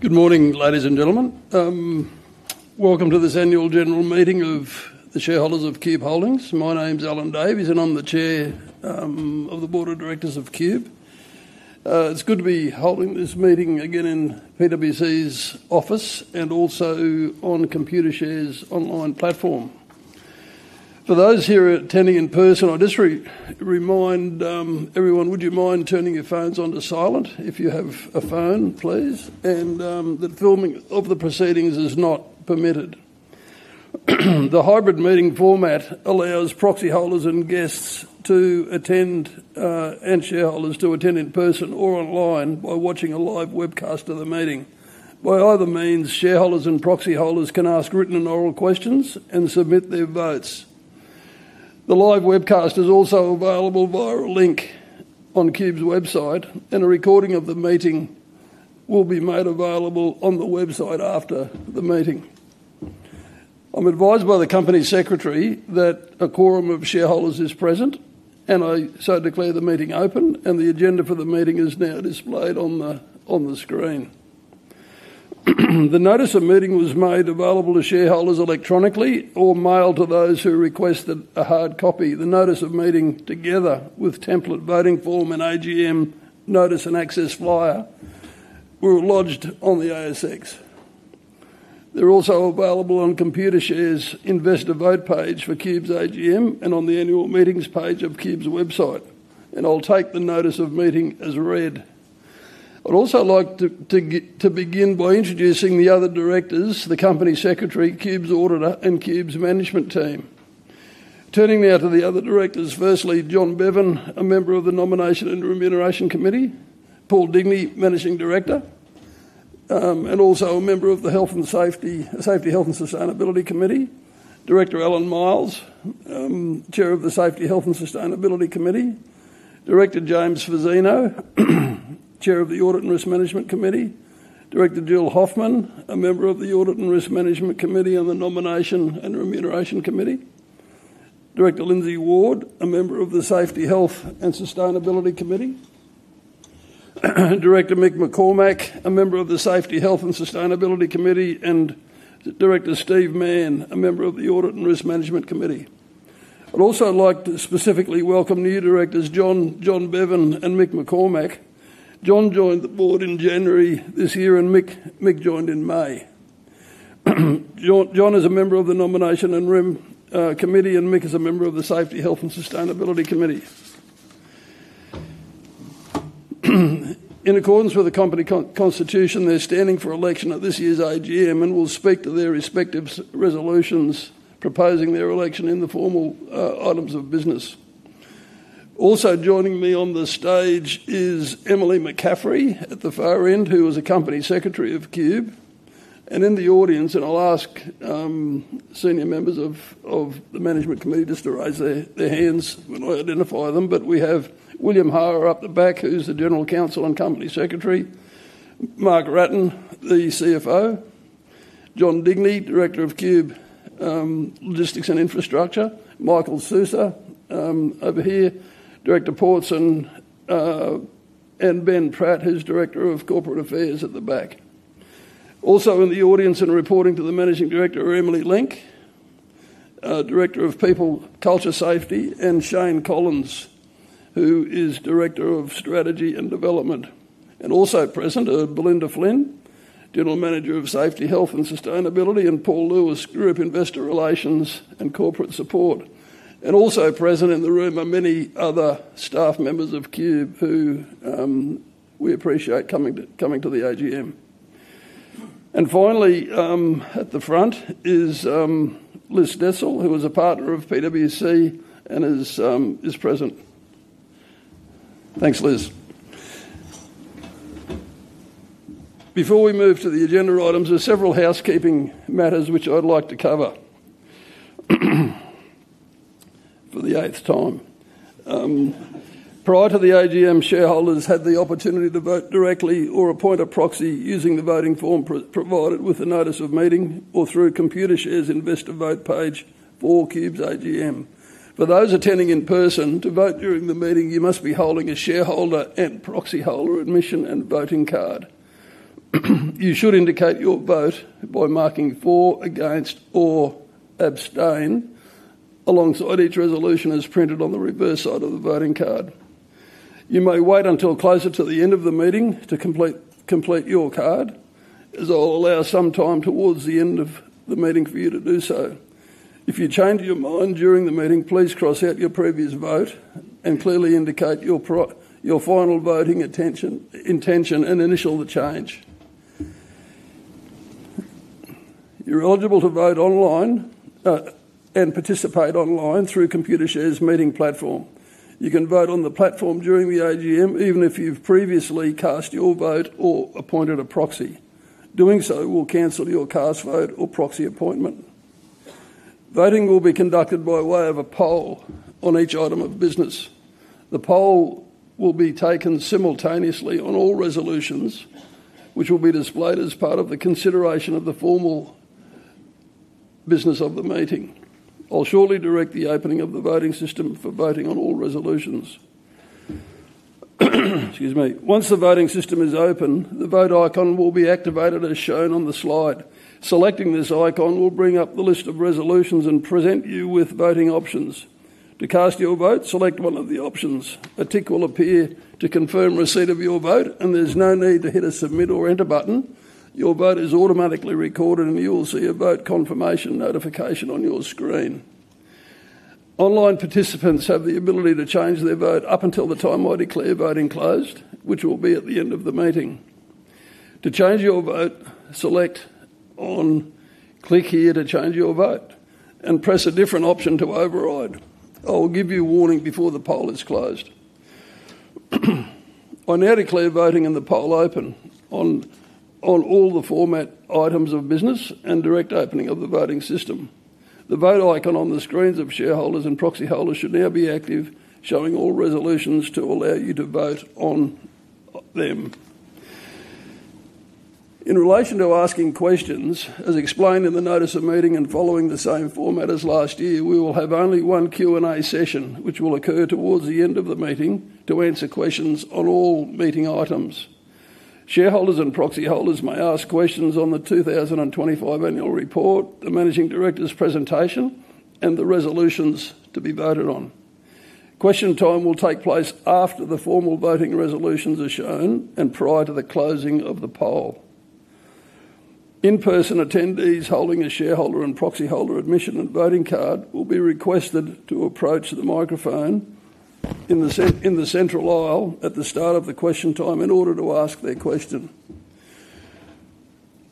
Good morning, ladies and gentlemen. Welcome to this annual general meeting of the shareholders of Qube Holdings. My name's Allan Davies, and I'm the Chair of the board of directors of Qube. It's good to be holding this meeting again in PwC's office and also on Computershare's online platform. For those here attending in person, I just remind everyone, would you mind turning your phones onto silent if you have a phone, please, and that filming of the proceedings is not permitted. The hybrid meeting format allows proxy holders and guests to attend, and shareholders to attend in person or online by watching a live webcast of the meeting. By other means, shareholders and proxy holders can ask written and oral questions and submit their votes. The live webcast is also available via a link on Qube's website, and a recording of the meeting will be made available on the website after the meeting. I'm advised by the company secretary that a quorum of shareholders is present, and I so declare the meeting open, and the agenda for the meeting is now displayed on the screen. The notice of meeting was made available to shareholders electronically or mailed to those who requested a hard copy. The notice of meeting, together with template voting form and AGM notice and access flyer, were lodged on the ASX. They're also available on Computershare's investor vote page for Qube's AGM and on the annual meetings page of Qube's website, and I'll take the notice of meeting as read. I'd also like to begin by introducing the other directors, the company secretary, Qube's auditor, and Qube's management team. Turning now to the other directors. Firstly, John Beavan, a member of the Nomination and Remuneration Committee; Paul Digney, Managing Director and also a member of the Safety Health and Sustainability Committee; Director Allan Miles, Chair of the Safety Health and Sustainability Committee; Director James Fazzino, Chair of the Audit and Risk Management Committee; Director Jill Hoffmann, a member of the Audit and Risk Management Committee and the Nomination and Remuneration Committee; Director Lindsay Ward, a member of the Safety Health and Sustainability Committee; Director Mick McCormack, a member of the Safety Health and Sustainability Committee; and Director Steve Mann, a member of the Audit and Risk Management Committee. I'd also like to specifically welcome new directors, John Beavan and Mick McCormack. John joined the board in January this year, and Mick joined in May. John is a member of the Nomination and Risk Committee, and Mick is a member of the Safety, Health and Sustainability Committee. In accordance with the company constitution, they're standing for election at this year's AGM and will speak to their respective resolutions proposing their election in the formal items of business. Also joining me on the stage is Emily McCaffrey at the far end, who is a company secretary of Qube, and in the audience, and I'll ask senior members of the management committee just to raise their hands when I identify them, but we have William Hara up the back, who's the general counsel and company secretary, Mark Wratten, the CFO, John Digney, director of Qube Logistics and Infrastructure, Michael Sousa over here, director Ports, and Ben Pratt, who's director of corporate affairs at the back. Also in the audience and reporting to the Managing Director, Emily Link, Director of People, Culture, Safety, and Shane Collins, who is Director of Strategy and Development. Also present are Belinda Flynn, General Manager of Safety, Health and Sustainability, and Paul Lewis, Group Investor Relations and Corporate Support. Also present in the room are many other staff members of Qube who we appreciate coming to the AGM. Finally, at the front is Liz Dessel, who is a partner of PwC and is present. Thanks, Liz. Before we move to the agenda items, there are several housekeeping matters which I'd like to cover for the eighth time. Prior to the AGM, shareholders had the opportunity to vote directly or appoint a proxy using the voting form provided with the notice of meeting or through Computershare's investor vote page for Qube's AGM. For those attending in person, to vote during the meeting, you must be holding a shareholder and proxy holder admission and voting card. You should indicate your vote by marking for, against, or abstain alongside each resolution as printed on the reverse side of the voting card. You may wait until closer to the end of the meeting to complete your card, as I'll allow some time towards the end of the meeting for you to do so. If you change your mind during the meeting, please cross out your previous vote and clearly indicate your final voting intention and initial the change. You're eligible to vote online and participate online through Computershare's meeting platform. You can vote on the platform during the AGM, even if you've previously cast your vote or appointed a proxy. Doing so will cancel your cast vote or proxy appointment. Voting will be conducted by way of a poll on each item of business. The poll will be taken simultaneously on all resolutions, which will be displayed as part of the consideration of the formal business of the meeting. I'll shortly direct the opening of the voting system for voting on all resolutions. Excuse me. Once the voting system is open, the vote icon will be activated as shown on the slide. Selecting this icon will bring up the list of resolutions and present you with voting options. To cast your vote, select one of the options. A tick will appear to confirm receipt of your vote, and there's no need to hit a submit or enter button. Your vote is automatically recorded, and you will see a vote confirmation notification on your screen. Online participants have the ability to change their vote up until the time I declare voting closed, which will be at the end of the meeting. To change your vote, select on, click here to change your vote, and press a different option to override. I'll give you a warning before the poll is closed. I now declare voting and the poll open on all the formal items of business and direct opening of the voting system. The vote icon on the screens of shareholders and proxy holders should now be active, showing all resolutions to allow you to vote on them. In relation to asking questions, as explained in the notice of meeting and following the same format as last year, we will have only one Q&A session, which will occur towards the end of the meeting to answer questions on all meeting items. Shareholders and proxy holders may ask questions on the 2025 annual report, the Managing Director's presentation, and the resolutions to be voted on. Question time will take place after the formal voting resolutions are shown and prior to the closing of the poll. In-person attendees holding a shareholder and proxy holder admission and voting card will be requested to approach the microphone in the central aisle at the start of the question time in order to ask their question.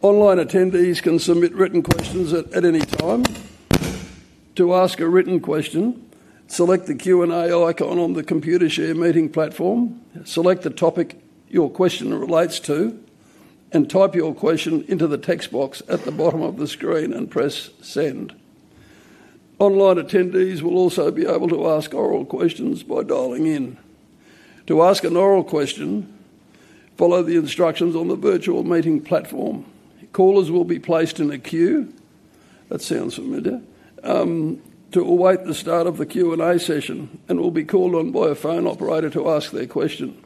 Online attendees can submit written questions at any time. To ask a written question, select the Q&A icon on the Computershare meeting platform, select the topic your question relates to, and type your question into the text box at the bottom of the screen and press send. Online attendees will also be able to ask oral questions by dialing in. To ask an oral question, follow the instructions on the virtual meeting platform. Callers will be placed in a queue—that sounds familiar—to await the start of the Q&A session and will be called on by a phone operator to ask their question.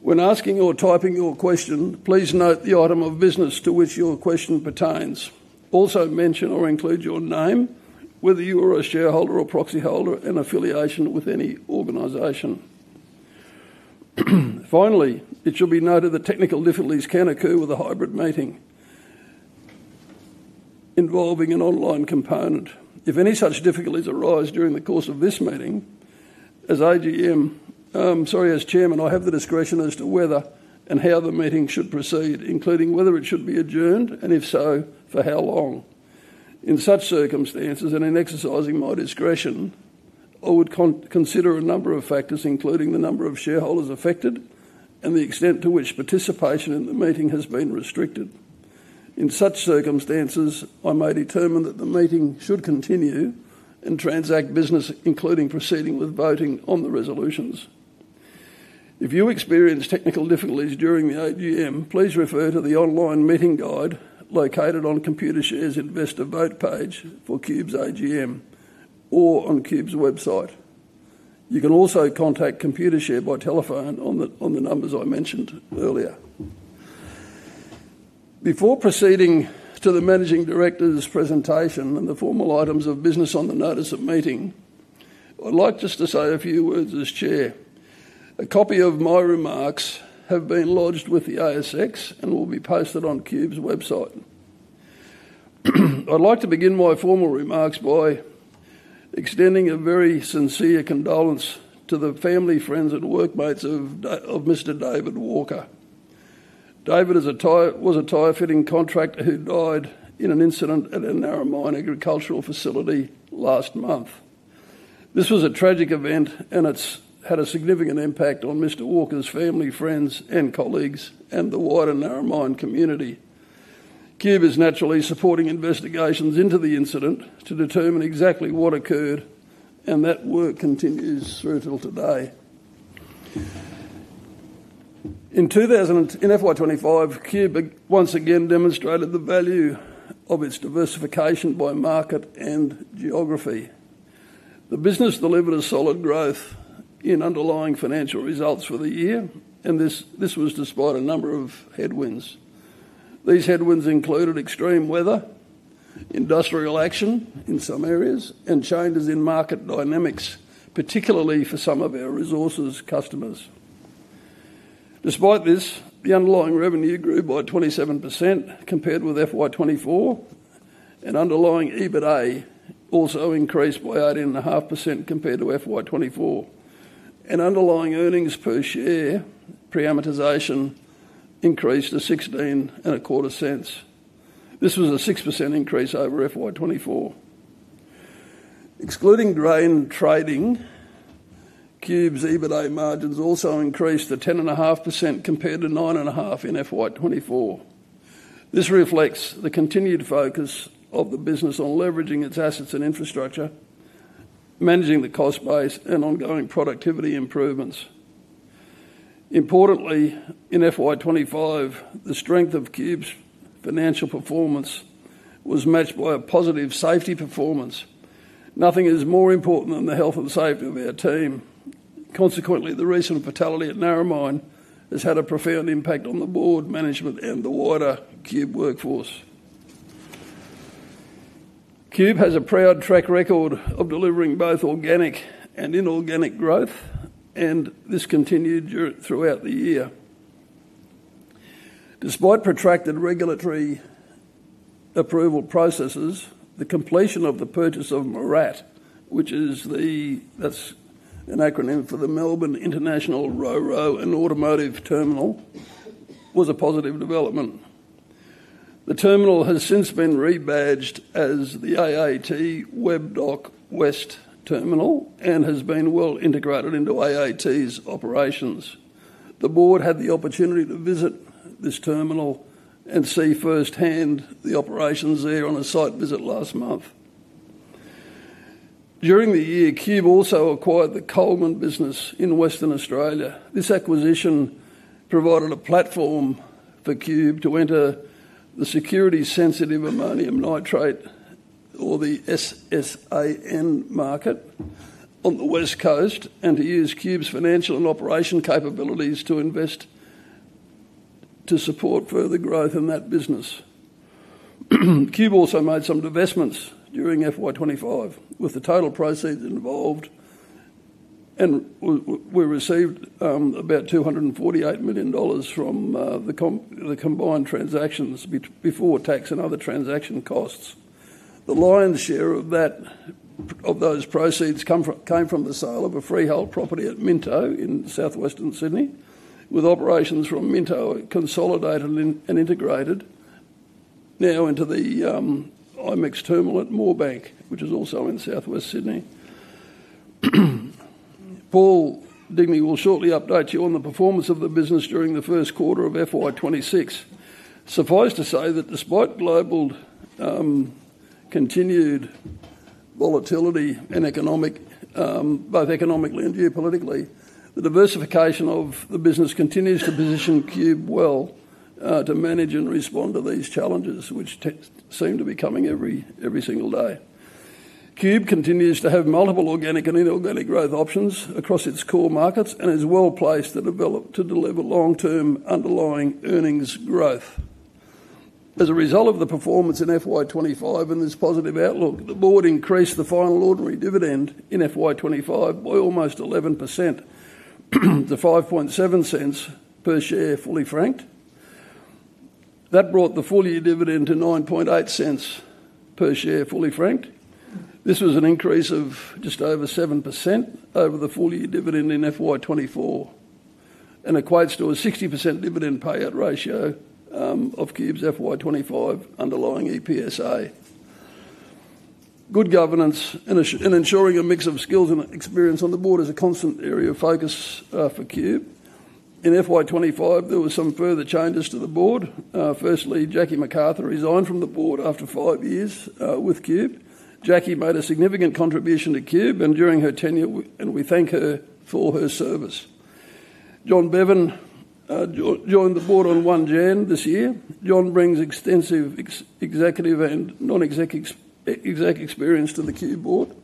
When asking or typing your question, please note the item of business to which your question pertains. Also mention or include your name, whether you are a shareholder or proxy holder, and affiliation with any organization. Finally, it should be noted that technical difficulties can occur with a hybrid meeting involving an online component. If any such difficulties arise during the course of this meeting, as AGM—sorry, as Chairman, I have the discretion as to whether and how the meeting should proceed, including whether it should be adjourned and, if so, for how long. In such circumstances, and in exercising my discretion, I would consider a number of factors, including the number of shareholders affected and the extent to which participation in the meeting has been restricted. In such circumstances, I may determine that the meeting should continue and transact business, including proceeding with voting on the resolutions. If you experience technical difficulties during the AGM, please refer to the online meeting guide located on Computershare's investor vote page for Qube's AGM or on Qube's website. You can also contact Computershare by telephone on the numbers I mentioned earlier. Before proceeding to the Managing Director's presentation and the formal items of business on the notice of meeting, I'd like just to say a few words as Chair. A copy of my remarks have been lodged with the ASX and will be posted on Qube's website. I'd like to begin my formal remarks by extending a very sincere condolence to the family, friends, and workmates of Mr. David Walker. David was a tire-fitting contractor who died in an incident at a Narrabri Mine agricultural facility last month. This was a tragic event, and it's had a significant impact on Mr. Walker's family, friends, and colleagues and the wider Narrabri Mine community. Qube is naturally supporting investigations into the incident to determine exactly what occurred, and that work continues through till today. In FY25, Qube once again demonstrated the value of its diversification by market and geography. The business delivered a solid growth in underlying financial results for the year, and this was despite a number of headwinds. These headwinds included extreme weather, industrial action in some areas, and changes in market dynamics, particularly for some of our resources customers. Despite this, the underlying revenue grew by 27% compared with FY24, and underlying EBITA also increased by 18.5% compared to FY24. Underlying earnings per share pre-amortization increased to 0.1625. This was a 6% increase over FY24. Excluding grain trading, Qube's EBITA margins also increased to 10.5% compared to 9.5% in FY24. This reflects the continued focus of the business on leveraging its assets and infrastructure, managing the cost base, and ongoing productivity improvements. Importantly, in FY25, the strength of Qube's financial performance was matched by a positive safety performance. Nothing is more important than the health and safety of our team. Consequently, the recent fatality at Narrabri Mine has had a profound impact on the board, management, and the wider Qube workforce. Qube has a proud track record of delivering both organic and inorganic growth, and this continued throughout the year. Despite protracted regulatory approval processes, the completion of the purchase of MRAT, which is the—that's an acronym for the Melbourne International Ro-Ro and Automotive Terminal—was a positive development. The terminal has since been rebadged as the AAT Webb Dock West Terminal and has been well integrated into AAT's operations. The board had the opportunity to visit this terminal and see firsthand the operations there on a site visit last month. During the year, Qube also acquired the Coleman business in Western Australia. This acquisition provided a platform for Qube to enter the security-sensitive ammonium nitrate, or the SSAN, market on the West Coast and to use Qube's financial and operation capabilities to invest to support further growth in that business. Qube also made some investments during FY25 with the total proceeds involved, and we received about 248 million dollars from the combined transactions before tax and other transaction costs. The lion's share of those proceeds came from the sale of a freehold property at Minto in southwestern Sydney, with operations from Minto consolidated and integrated now into the IMEX terminal at Moorebank, which is also in southwest Sydney. Paul Digney will shortly update you on the performance of the business during the first quarter of FY26. Suffice to say that despite global continued volatility both economically and geopolitically, the diversification of the business continues to position Qube well to manage and respond to these challenges, which seem to be coming every single day. Qube continues to have multiple organic and inorganic growth options across its core markets and is well placed to develop to deliver long-term underlying earnings growth. As a result of the performance in FY25 and this positive outlook, the board increased the final ordinary dividend in FY25 by almost 11% to 0.057 per share fully franked. That brought the full-year dividend to 0.098 per share fully franked. This was an increase of just over 7% over the full-year dividend in FY24 and equates to a 60% dividend payout ratio of Qube's FY25 underlying EPSA. Good governance and ensuring a mix of skills and experience on the board is a constant area of focus for Qube. In FY25, there were some further changes to the board. Firstly, Jackie McArthur resigned from the board after five years with Qube. Jackie made a significant contribution to Qube and during her tenure, and we thank her for her service. John Bevan joined the board on January 1 this year. John brings extensive executive and non-exec experience to the Qube board.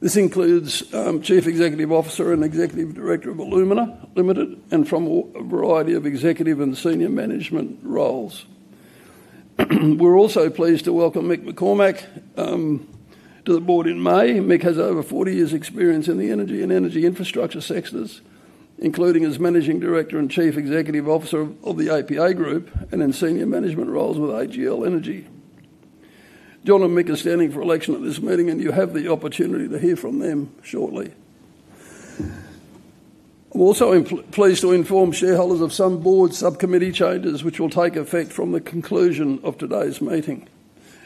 This includes Chief Executive Officer and Executive Director of Illumina Limited and from a variety of executive and senior management roles. We are also pleased to welcome Mick McCormack to the board in May. Mick has over 40 years' experience in the energy and energy infrastructure sectors, including as Managing Director and Chief Executive Officer of the APA Group and in senior management roles with AGL Energy. John and Mick are standing for election at this meeting, and you have the opportunity to hear from them shortly. I am also pleased to inform shareholders of some board subcommittee changes, which will take effect from the conclusion of today's meeting.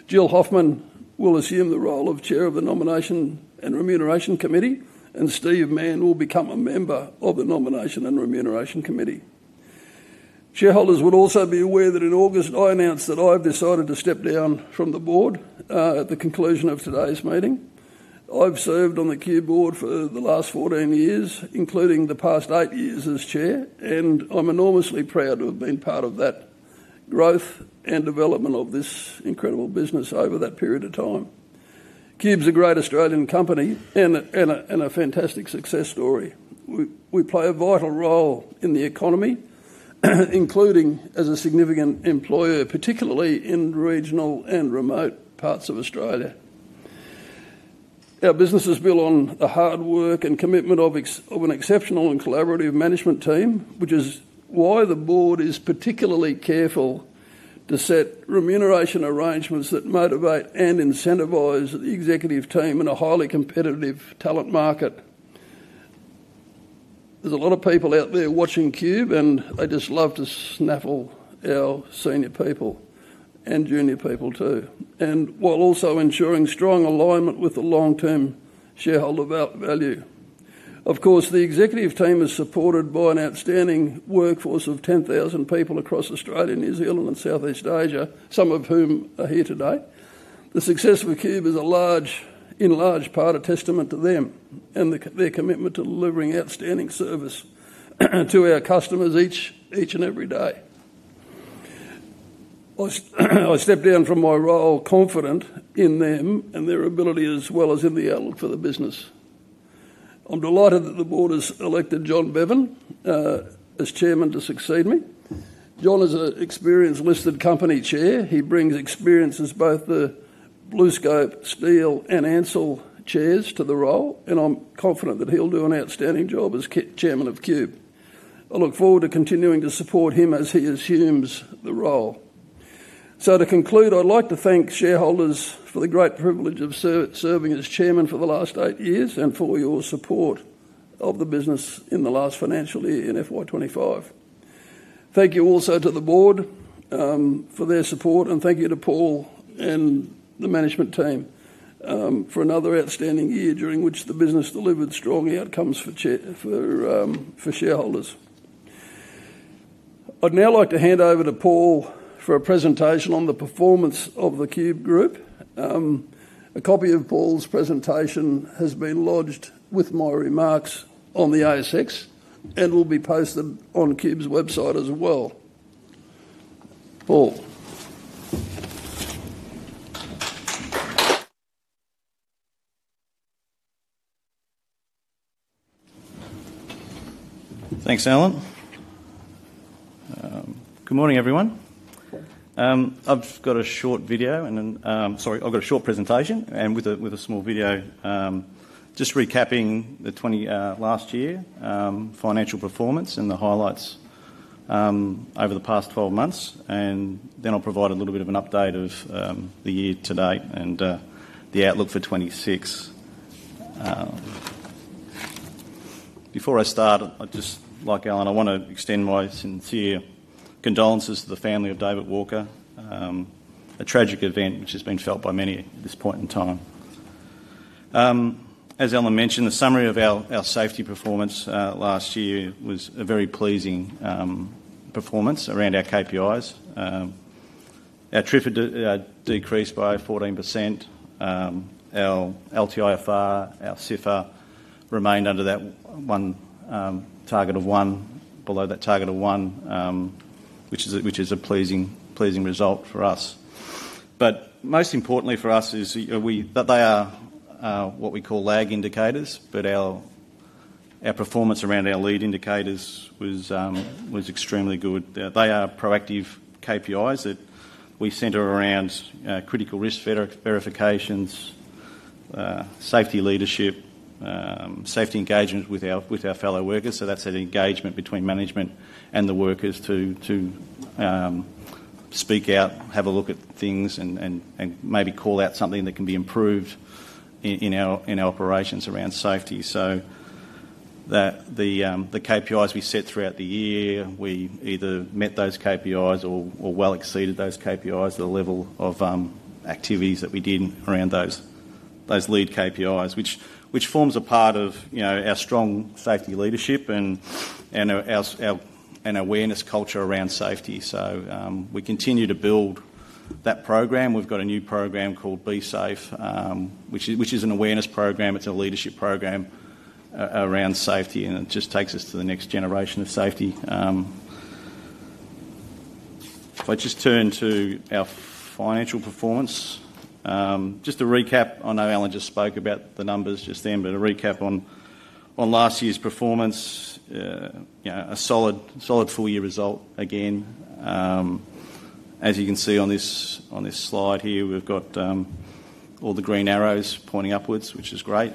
Jill Hoffmann will assume the role of Chair of the Nomination and Remuneration Committee, and Steve Mann will become a member of the Nomination and Remuneration Committee. Shareholders would also be aware that in August, I announced that I've decided to step down from the board at the conclusion of today's meeting. I've served on the Qube board for the last 14 years, including the past eight years as chair, and I'm enormously proud to have been part of that growth and development of this incredible business over that period of time. Qube's a great Australian company and a fantastic success story. We play a vital role in the economy, including as a significant employer, particularly in regional and remote parts of Australia. Our business is built on the hard work and commitment of an exceptional and collaborative management team, which is why the board is particularly careful to set remuneration arrangements that motivate and incentivize the executive team in a highly competitive talent market. There's a lot of people out there watching Qube, and I just love to snaffle our senior people and junior people too, while also ensuring strong alignment with the long-term shareholder value. Of course, the executive team is supported by an outstanding workforce of 10,000 people across Australia, New Zealand, and Southeast Asia, some of whom are here today. The success for Qube is in large part a testament to them and their commitment to delivering outstanding service to our customers each and every day. I step down from my role confident in them and their ability as well as in the outlook for the business. I'm delighted that the board has elected John Beavan as chairman to succeed me. John is an experienced listed company chair. He brings experience as both the BlueScope Steel and Ancel chairs to the role, and I'm confident that he'll do an outstanding job as chairman of Qube. I look forward to continuing to support him as he assumes the role. To conclude, I'd like to thank shareholders for the great privilege of serving as chairman for the last eight years and for your support of the business in the last financial year in FY25. Thank you also to the board for their support, and thank you to Paul and the management team for another outstanding year during which the business delivered strong outcomes for shareholders. I'd now like to hand over to Paul for a presentation on the performance of the Qube group. A copy of Paul's presentation has been lodged with my remarks on the ASX and will be posted on Qube's website as well. Paul. Thanks, Allan. Good morning, everyone. I've got a short video and, sorry, I've got a short presentation with a small video, just recapping the last year's financial performance and the highlights over the past 12 months, and then I'll provide a little bit of an update of the year to date and the outlook for 2026. Before I start, I'd just like, Allan, I want to extend my sincere condolences to the family of David Walker, a tragic event which has been felt by many at this point in time. As Allan mentioned, the summary of our safety performance last year was a very pleasing performance around our KPIs. Our TRIFR decreased by 14%. Our LTIFR, our CIFR remained under that target of one, below that target of one, which is a pleasing result for us. Most importantly for us is that they are what we call lag indicators, but our performance around our lead indicators was extremely good. They are proactive KPIs that we center around critical risk verifications, safety leadership, safety engagement with our fellow workers. That is an engagement between management and the workers to speak out, have a look at things, and maybe call out something that can be improved in our operations around safety. The KPIs we set throughout the year, we either met those KPIs or well exceeded those KPIs at the level of activities that we did around those lead KPIs, which forms a part of our strong safety leadership and our awareness culture around safety. We continue to build that program. We have got a new program called Be Safe, which is an awareness program. It's a leadership program around safety, and it just takes us to the next generation of safety. If I just turn to our financial performance, just to recap, I know Allan just spoke about the numbers just then, but a recap on last year's performance, a solid full-year result again. As you can see on this slide here, we've got all the green arrows pointing upwards, which is great.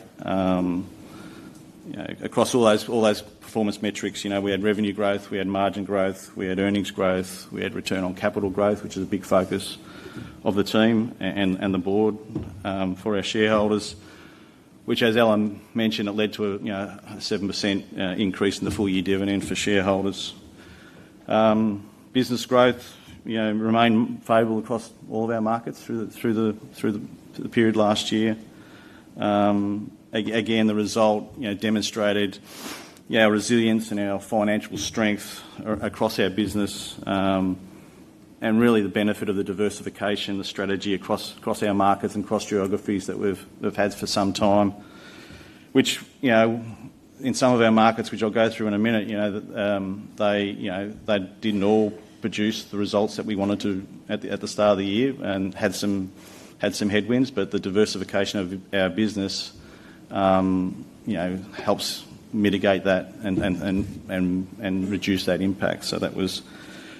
Across all those performance metrics, we had revenue growth, we had margin growth, we had earnings growth, we had return on capital growth, which is a big focus of the team and the board for our shareholders, which, as Allan mentioned, it led to a 7% increase in the full-year dividend for shareholders. Business growth remained favorable across all of our markets through the period last year. Again, the result demonstrated our resilience and our financial strength across our business and really the benefit of the diversification, the strategy across our markets and across geographies that we've had for some time, which in some of our markets, which I'll go through in a minute, they did not all produce the results that we wanted to at the start of the year and had some headwinds, but the diversification of our business helps mitigate that and reduce that impact.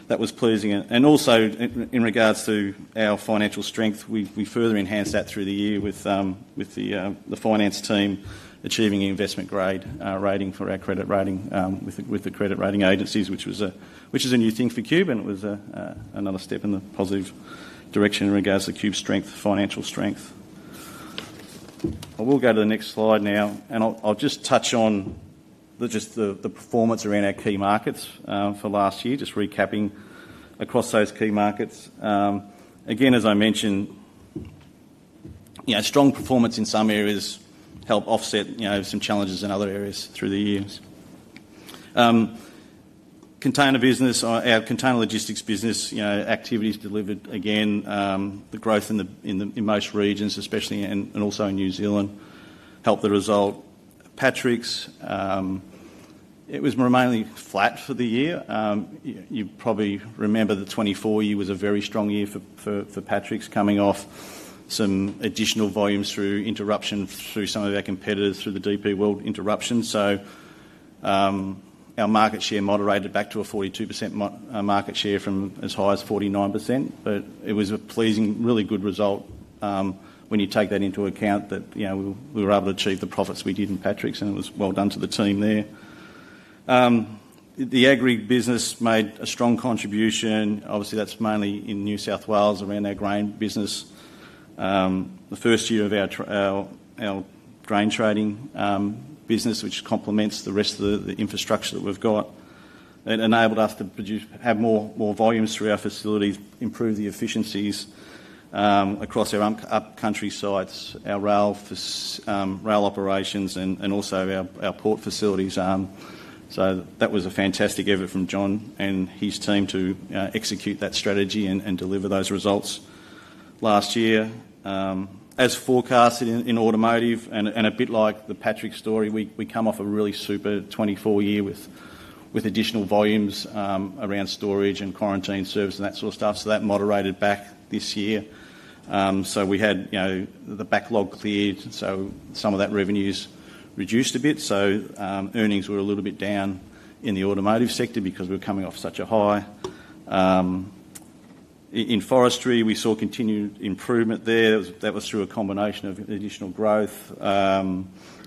That was pleasing. Also, in regards to our financial strength, we further enhanced that through the year with the finance team achieving an investment grade rating for our credit rating with the credit rating agencies, which was a new thing for Qube, and it was another step in the positive direction in regards to Qube's financial strength. I will go to the next slide now, and I'll just touch on just the performance around our key markets for last year, just recapping across those key markets. Again, as I mentioned, strong performance in some areas helped offset some challenges in other areas through the years. Container business, our container logistics business, activities delivered again, the growth in most regions, especially, and also in New Zealand, helped the result. Patrick's, it was remaining flat for the year. You probably remember the 2024 year was a very strong year for Patrick's coming off some additional volumes through interruption through some of our competitors through the DP World interruption. Our market share moderated back to a 42% market share from as high as 49%, but it was a pleasing, really good result when you take that into account that we were able to achieve the profits we did in Patrick's, and it was well done to the team there. The agri business made a strong contribution. Obviously, that's mainly in New South Wales around our grain business. The first year of our grain trading business, which complements the rest of the infrastructure that we've got, it enabled us to have more volumes through our facilities, improve the efficiencies across our upcountry sites, our rail operations, and also our port facilities. That was a fantastic effort from John and his team to execute that strategy and deliver those results last year. As forecasted in automotive and a bit like the Patrick story, we come off a really super 2024 year with additional volumes around storage and quarantine service and that sort of stuff. That moderated back this year. We had the backlog cleared, so some of that revenue's reduced a bit. Earnings were a little bit down in the automotive sector because we were coming off such a high. In forestry, we saw continued improvement there. That was through a combination of additional growth,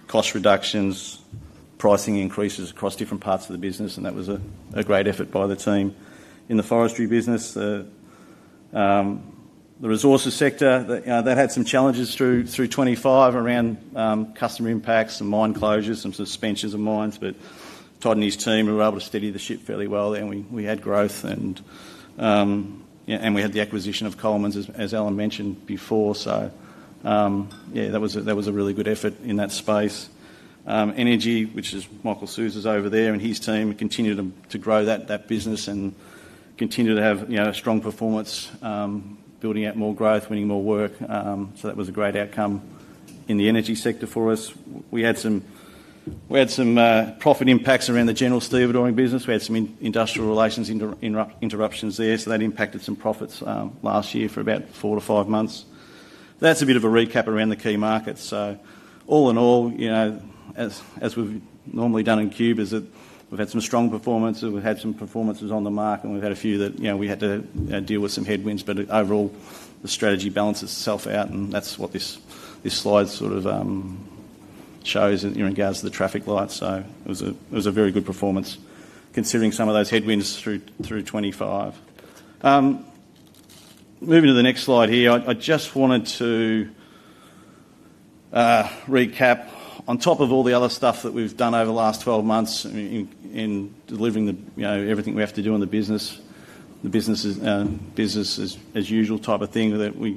cost reductions, pricing increases across different parts of the business, and that was a great effort by the team. In the forestry business, the resources sector, that had some challenges through 2025 around customer impacts, some mine closures, some suspensions of mines, but Todd and his team were able to steady the ship fairly well, and we had growth, and we had the acquisition of Coleman, as Allan mentioned before. Yeah, that was a really good effort in that space. Energy, which is Michael Souza's over there and his team, continued to grow that business and continued to have a strong performance, building out more growth, winning more work. That was a great outcome in the energy sector for us. We had some profit impacts around the general stevedoring business. We had some industrial relations interruptions there, so that impacted some profits last year for about four to five months. That's a bit of a recap around the key markets. All in all, as we've normally done in Qube, is that we've had some strong performance, and we've had some performances on the mark, and we've had a few that we had to deal with some headwinds, but overall, the strategy balances itself out, and that's what this slide sort of shows in regards to the traffic lights. It was a very good performance considering some of those headwinds through 2025. Moving to the next slide here, I just wanted to recap, on top of all the other stuff that we've done over the last 12 months in delivering everything we have to do in the business, the business as usual type of thing that we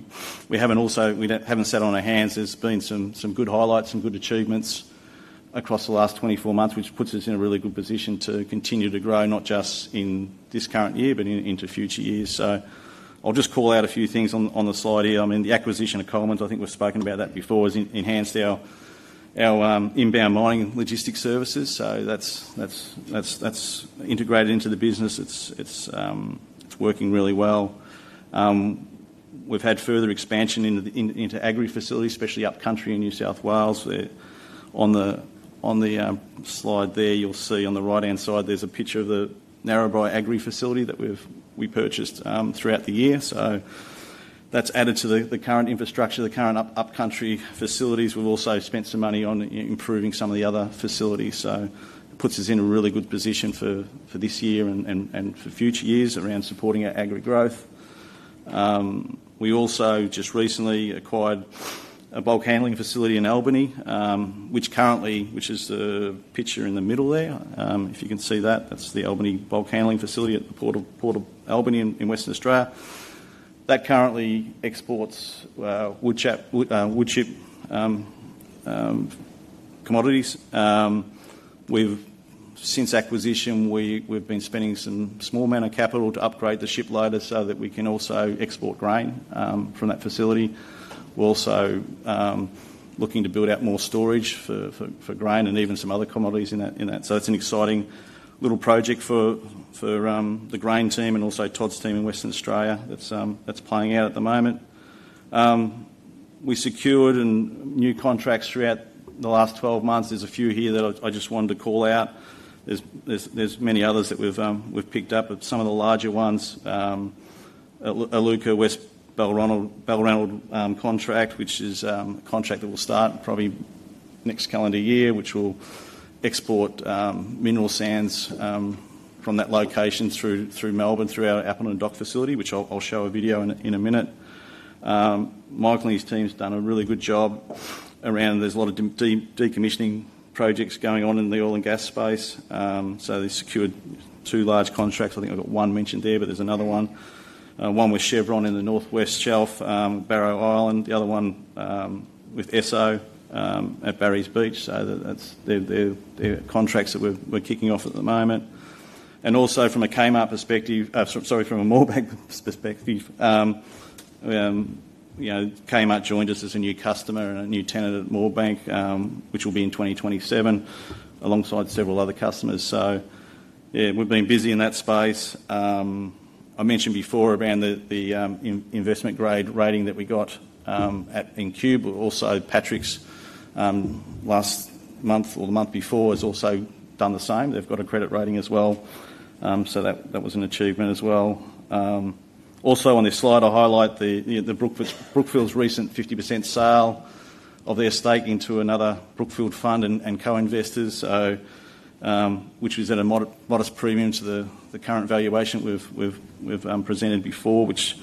haven't sat on our hands. There's been some good highlights, some good achievements across the last 24 months, which puts us in a really good position to continue to grow, not just in this current year, but into future years. I'll just call out a few things on the slide here. I mean, the acquisition of Coleman, I think we've spoken about that before, has enhanced our inbound mining logistics services. That's integrated into the business. It's working really well. We've had further expansion into agri facilities, especially upcountry in New South Wales. On the slide there, you'll see on the right-hand side, there's a picture of the Narrabri agri facility that we purchased throughout the year. That's added to the current infrastructure, the current upcountry facilities. We've also spent some money on improving some of the other facilities. It puts us in a really good position for this year and for future years around supporting our agri growth. We also just recently acquired a bulk handling facility in Albany, which is the picture in the middle there. If you can see that, that is the Albany Bulk Handling Terminal at the Port of Albany in Western Australia. That currently exports woodchip commodities. Since acquisition, we have been spending some small amount of capital to upgrade the ship loader so that we can also export grain from that facility. We are also looking to build out more storage for grain and even some other commodities in that. It is an exciting little project for the grain team and also Todd's team in Western Australia that is playing out at the moment. We secured new contracts throughout the last 12 months. There are a few here that I just wanted to call out. There's many others that we've picked up. Some of the larger ones, Iluka West Bell Rannold contract, which is a contract that will start probably next calendar year, which will export mineral sands from that location through Melbourne through our upper and dock facility, which I'll show a video in a minute. Michael and his team have done a really good job around there's a lot of decommissioning projects going on in the oil and gas space. They secured two large contracts. I think I've got one mentioned there, but there's another one, one with Chevron in the northwest shelf, Barrow Island. The other one with Esso at Barry's Beach. They're contracts that we're kicking off at the moment. Also from a Moorebank perspective, Kmart joined us as a new customer and a new tenant at Moorebank, which will be in 2027, alongside several other customers. Yeah, we've been busy in that space. I mentioned before around the investment grade rating that we got in Qube. Also, Patrick's last month or the month before has also done the same. They've got a credit rating as well. That was an achievement as well. Also, on this slide, I highlight Brookfield's recent 50% sale of their stake into another Brookfield fund and co-investors, which was at a modest premium to the current valuation we've presented before, which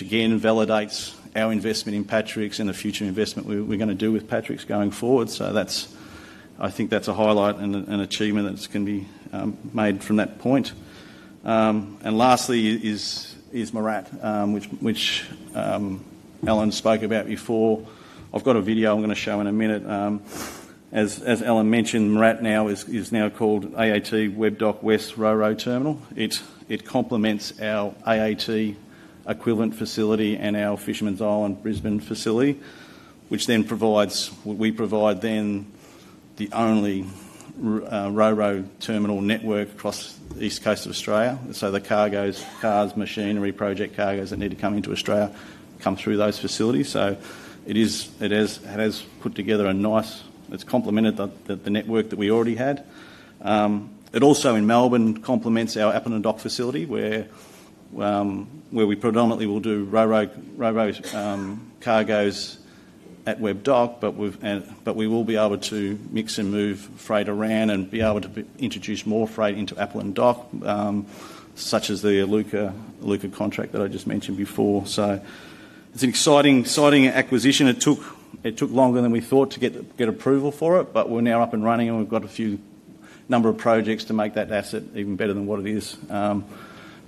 again validates our investment in Patrick's and the future investment we're going to do with Patrick's going forward. I think that's a highlight and an achievement that can be made from that point. Lastly is MRAT, which Allan spoke about before. I've got a video I'm going to show in a minute. As Allan mentioned, MRAT now is now called AAT Webb Dock West Ro-Ro Terminal. It complements our AAT equivalent facility and our Fisherman's Island, Brisbane facility, which then provides we provide then the only Ro-Ro terminal network across the east coast of Australia. The cargoes, cars, machinery, project cargoes that need to come into Australia come through those facilities. It has put together a nice it's complemented the network that we already had. It also in Melbourne complements our Appleton Dock facility where we predominantly will do Ro-Ro cargoes at Webb Dock, but we will be able to mix and move freight around and be able to introduce more freight into Appleton Dock, such as the Iluka contract that I just mentioned before. It's an exciting acquisition. It took longer than we thought to get approval for it, but we're now up and running, and we've got a number of projects to make that asset even better than what it is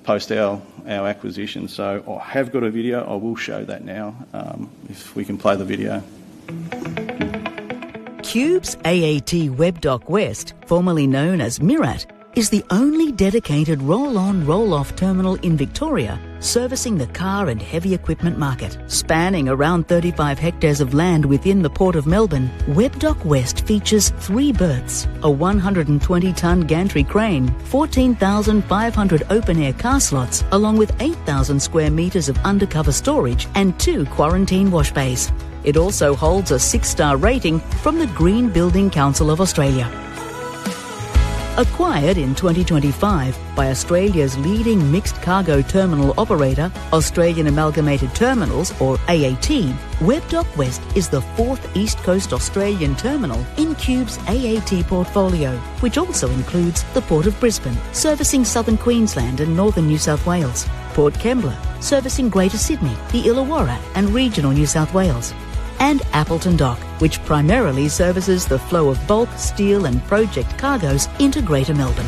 post our acquisition. I have got a video. I will show that now if we can play the video. Qube's AAT Webb Dock West, formerly known as MRAT, is the only dedicated roll-on/roll-off terminal in Victoria servicing the car and heavy equipment market. Spanning around 35 hectares of land within the Port of Melbourne, Webb Dock West features three berths, a 120-ton gantry crane, 14,500 open-air car slots, along with 8,000 sq m of undercover storage and two quarantine wash bays. It also holds a six-star rating from the Green Building Council of Australia. Acquired in 2025 by Australia's leading mixed cargo terminal operator, Australian Amalgamated Terminals, or AAT, Webb Dock West is the fourth east coast Australian terminal in Qube's AAT portfolio, which also includes the Port of Brisbane, servicing southern Queensland and northern New South Wales, Port Kembla, servicing Greater Sydney, the Illawarra, and regional New South Wales, and Appleton Dock, which primarily services the flow of bulk, steel, and project cargoes into Greater Melbourne.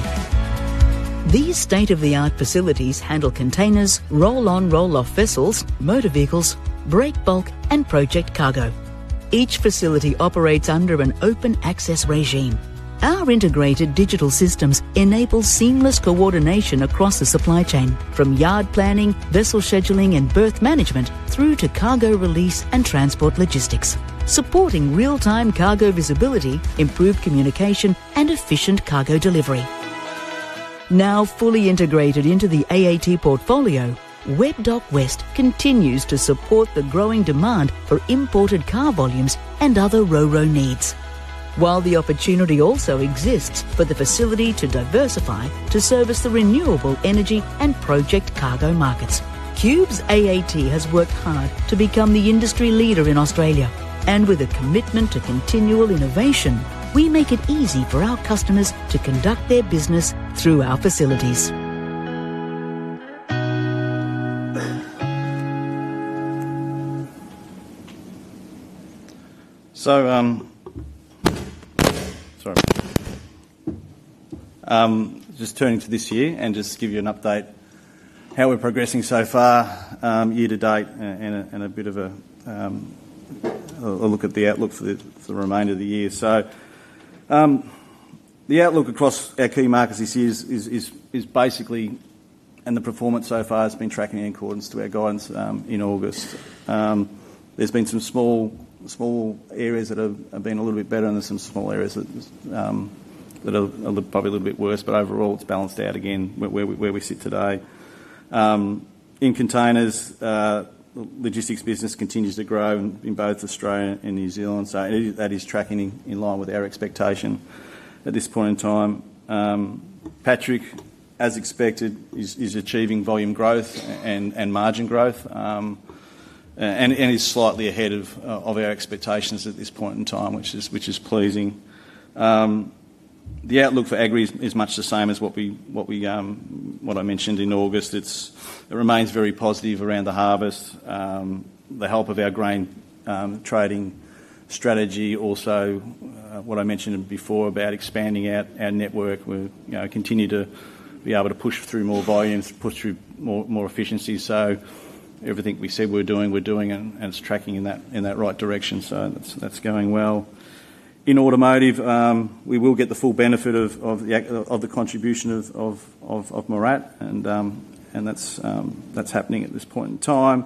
These state-of-the-art facilities handle containers, roll-on, roll-off vessels, motor vehicles, break bulk, and project cargo. Each facility operates under an open access regime. Our integrated digital systems enable seamless coordination across the supply chain, from yard planning, vessel scheduling, and berth management through to cargo release and transport logistics, supporting real-time cargo visibility, improved communication, and efficient cargo delivery. Now fully integrated into the AAT portfolio, Webb Dock West continues to support the growing demand for imported car volumes and other Ro-Ro needs. While the opportunity also exists for the facility to diversify to service the renewable energy and project cargo markets, Qube's AAT has worked hard to become the industry leader in Australia, and with a commitment to continual innovation, we make it easy for our customers to conduct their business through our facilities. Just turning to this year and just give you an update how we're progressing so far year to date and a bit of a look at the outlook for the remainder of the year. The outlook across our key markets this year is basically, and the performance so far has been tracking in accordance to our guidance in August. There have been some small areas that have been a little bit better, and there are some small areas that are probably a little bit worse, but overall, it's balanced out again where we sit today. In containers, the logistics business continues to grow in both Australia and New Zealand, so that is tracking in line with our expectation at this point in time. Patrick, as expected, is achieving volume growth and margin growth and is slightly ahead of our expectations at this point in time, which is pleasing. The outlook for agri is much the same as what I mentioned in August. It remains very positive around the harvest, the help of our grain trading strategy. Also, what I mentioned before about expanding our network, we continue to be able to push through more volumes, push through more efficiencies. Everything we said we're doing, we're doing, and it's tracking in that right direction. That's going well. In automotive, we will get the full benefit of the contribution of MRAT, and that's happening at this point in time.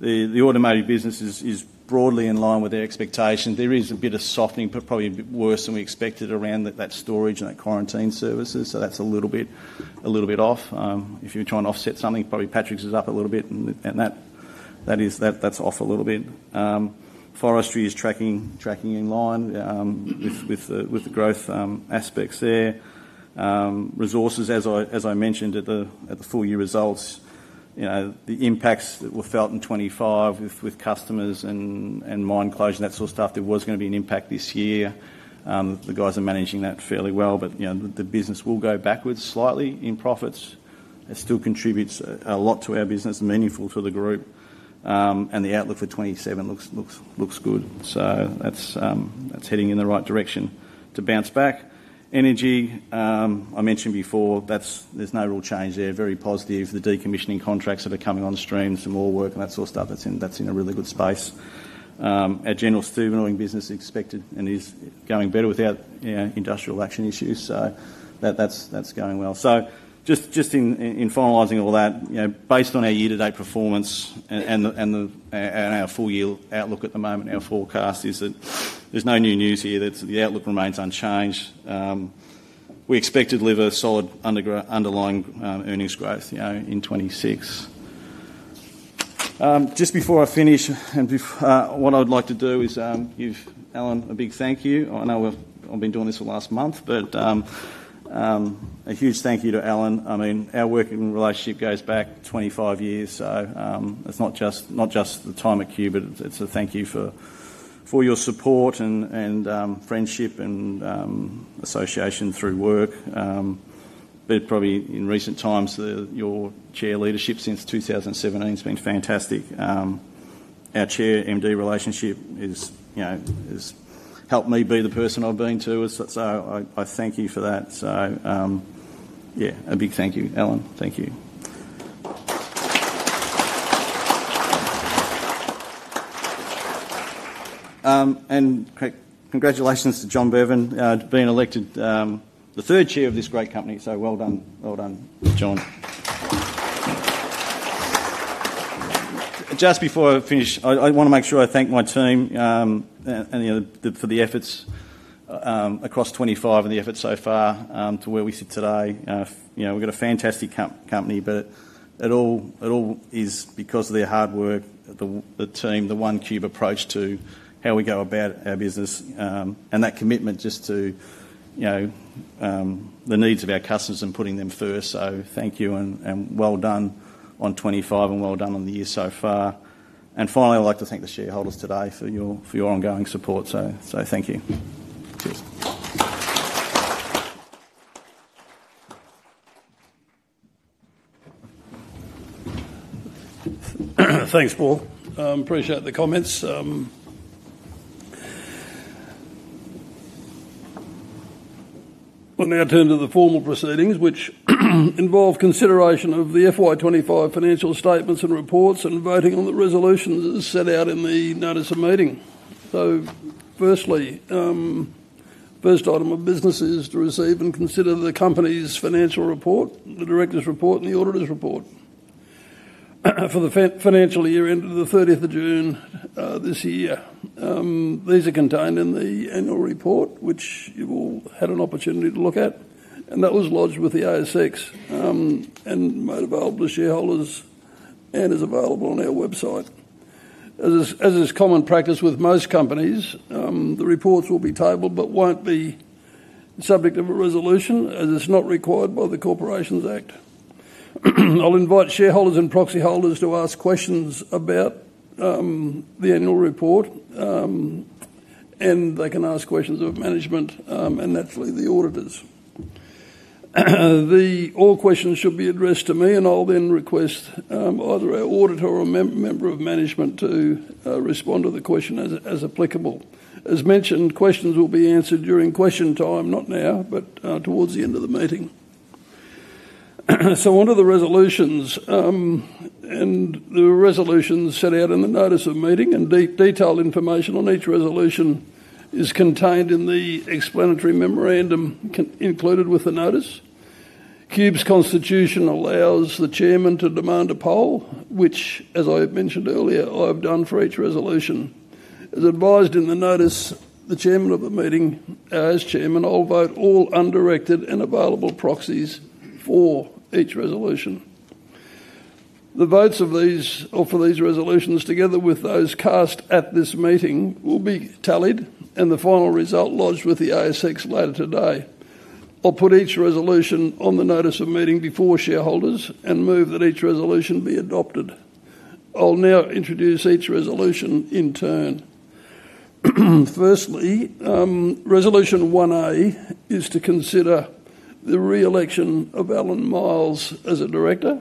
The automotive business is broadly in line with our expectations. There is a bit of softening, but probably a bit worse than we expected around that storage and that quarantine services. That's a little bit off. If you're trying to offset something, probably Patrick's is up a little bit, and that's off a little bit. Forestry is tracking in line with the growth aspects there. Resources, as I mentioned at the full year results, the impacts that were felt in 2025 with customers and mine closure and that sort of stuff, there was going to be an impact this year. The guys are managing that fairly well, but the business will go backwards slightly in profits. It still contributes a lot to our business, meaningful to the group, and the outlook for 2027 looks good. That is heading in the right direction to bounce back. Energy, I mentioned before, there is no real change there. Very positive. The decommissioning contracts that are coming on stream, some more work and that sort of stuff, that is in a really good space. Our general stewarding business is expected and is going better without industrial action issues. That is going well. Just in finalizing all that, based on our year-to-date performance and our full year outlook at the moment, our forecast is that there's no new news here. The outlook remains unchanged. We expect to deliver solid underlying earnings growth in 2026. Just before I finish, what I would like to do is give Allan a big thank you. I know I've been doing this for the last month, but a huge thank you to Allan. I mean, our working relationship goes back 25 years. It's not just the time at Qube, but it's a thank you for your support and friendship and association through work. Probably in recent times, your Chair leadership since 2017 has been fantastic. Our Chair-MD relationship has helped me be the person I've been too. I thank you for that. A big thank you, Allan. Thank you. Congratulations to John Beavan being elected the third chair of this great company. Well done, well done, John. Just before I finish, I want to make sure I thank my team for the efforts across 2025 and the efforts so far to where we sit today. We have got a fantastic company, but it all is because of their hard work, the team, the OneCube approach to how we go about our business, and that commitment just to the needs of our customers and putting them first. Thank you and well done on 2025 and well done on the year so far. Finally, I would like to thank the shareholders today for your ongoing support. Thank you. Thanks, Paul. Appreciate the comments. We'll now turn to the formal proceedings, which involve consideration of the FY25 financial statements and reports and voting on the resolutions set out in the notice of meeting. Firstly, the first item of business is to receive and consider the company's financial report, the directors' report, and the auditor's report for the financial year ended the 30th of June this year. These are contained in the annual report, which you've all had an opportunity to look at, and that was lodged with the ASX and made available to shareholders and is available on our website. As is common practice with most companies, the reports will be tabled but won't be the subject of a resolution as it's not required by the Corporations Act. I'll invite shareholders and proxy holders to ask questions about the annual report, and they can ask questions of management and naturally the auditors. All questions should be addressed to me, and I'll then request either our auditor or a member of management to respond to the question as applicable. As mentioned, questions will be answered during question time, not now, but towards the end of the meeting. One of the resolutions and the resolutions set out in the notice of meeting and detailed information on each resolution is contained in the explanatory memorandum included with the notice. Qube's constitution allows the chairman to demand a poll, which, as I mentioned earlier, I've done for each resolution. As advised in the notice, the chairman of the meeting, as chairman, I'll vote all undirected and available proxies for each resolution. The votes of these or for these resolutions, together with those cast at this meeting, will be tallied, and the final result lodged with the ASX later today. I'll put each resolution on the notice of meeting before shareholders and move that each resolution be adopted. I'll now introduce each resolution in turn. Firstly, resolution 1A is to consider the re-election of Allan Miles as a director.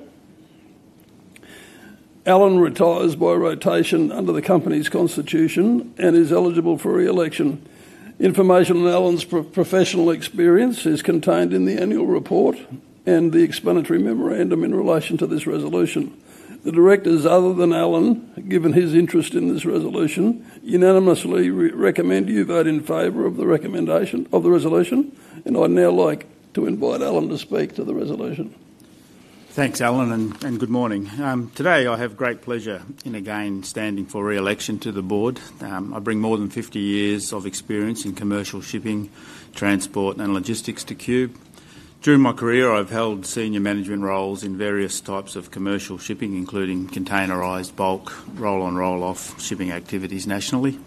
Allan retires by rotation under the company's constitution and is eligible for re-election. Information on Allan's professional experience is contained in the annual report and the explanatory memorandum in relation to this resolution. The directors, other than Allan, given his interest in this resolution, unanimously recommend you vote in favor of the resolution. I'd now like to invite Allan to speak to the resolution. Thanks, Allan, and good morning. Today, I have great pleasure in again standing for re-election to the board. I bring more than 50 years of experience in commercial shipping, transport, and logistics to Qube. During my career, I've held senior management roles in various types of commercial shipping, including containerized, bulk, roll-on, roll-off shipping activities nationally.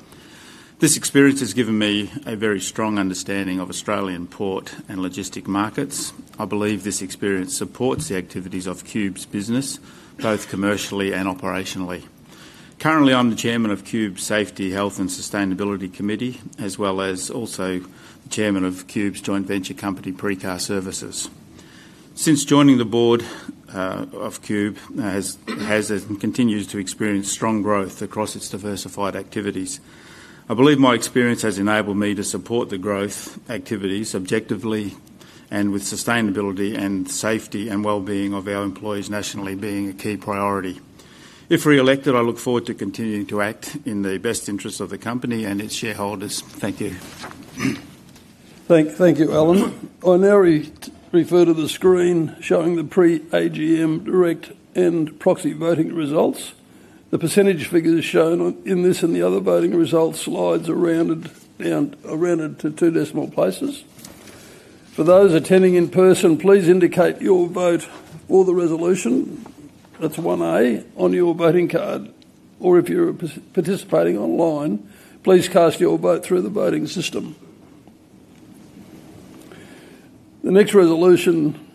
This experience has given me a very strong understanding of Australian port and logistics markets. I believe this experience supports the activities of Qube's business, both commercially and operationally. Currently, I'm the Chairman of Qube's Safety, Health, and Sustainability Committee, as well as also the Chairman of Qube's joint venture company, Precar Services. Since joining, the board of Qube has and continues to experience strong growth across its diversified activities. I believe my experience has enabled me to support the growth activities objectively and with sustainability and safety and well-being of our employees nationally being a key priority. If re-elected, I look forward to continuing to act in the best interest of the company and its shareholders. Thank you. Thank you, Allan. I now refer to the screen showing the pre-AGM direct and proxy voting results. The percentage figures shown in this and the other voting results slides are rounded to two decimal places. For those attending in person, please indicate your vote or the resolution. That is 1A on your voting card. If you are participating online, please cast your vote through the voting system. The next resolution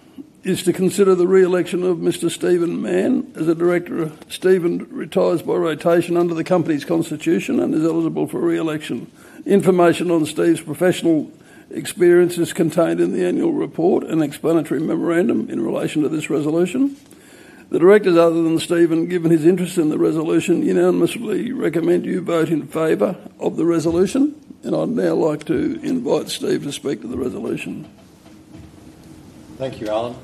is to consider the re-election of Mr. Steve Mann as a director. Steve retires by rotation under the company's constitution and is eligible for re-election. Information on Steve's professional experience is contained in the annual report and explanatory memorandum in relation to this resolution. The directors, other than Steve, given his interest in the resolution, unanimously recommend you vote in favor of the resolution. I would now like to invite Steve to speak to the resolution. Thank you, Allan.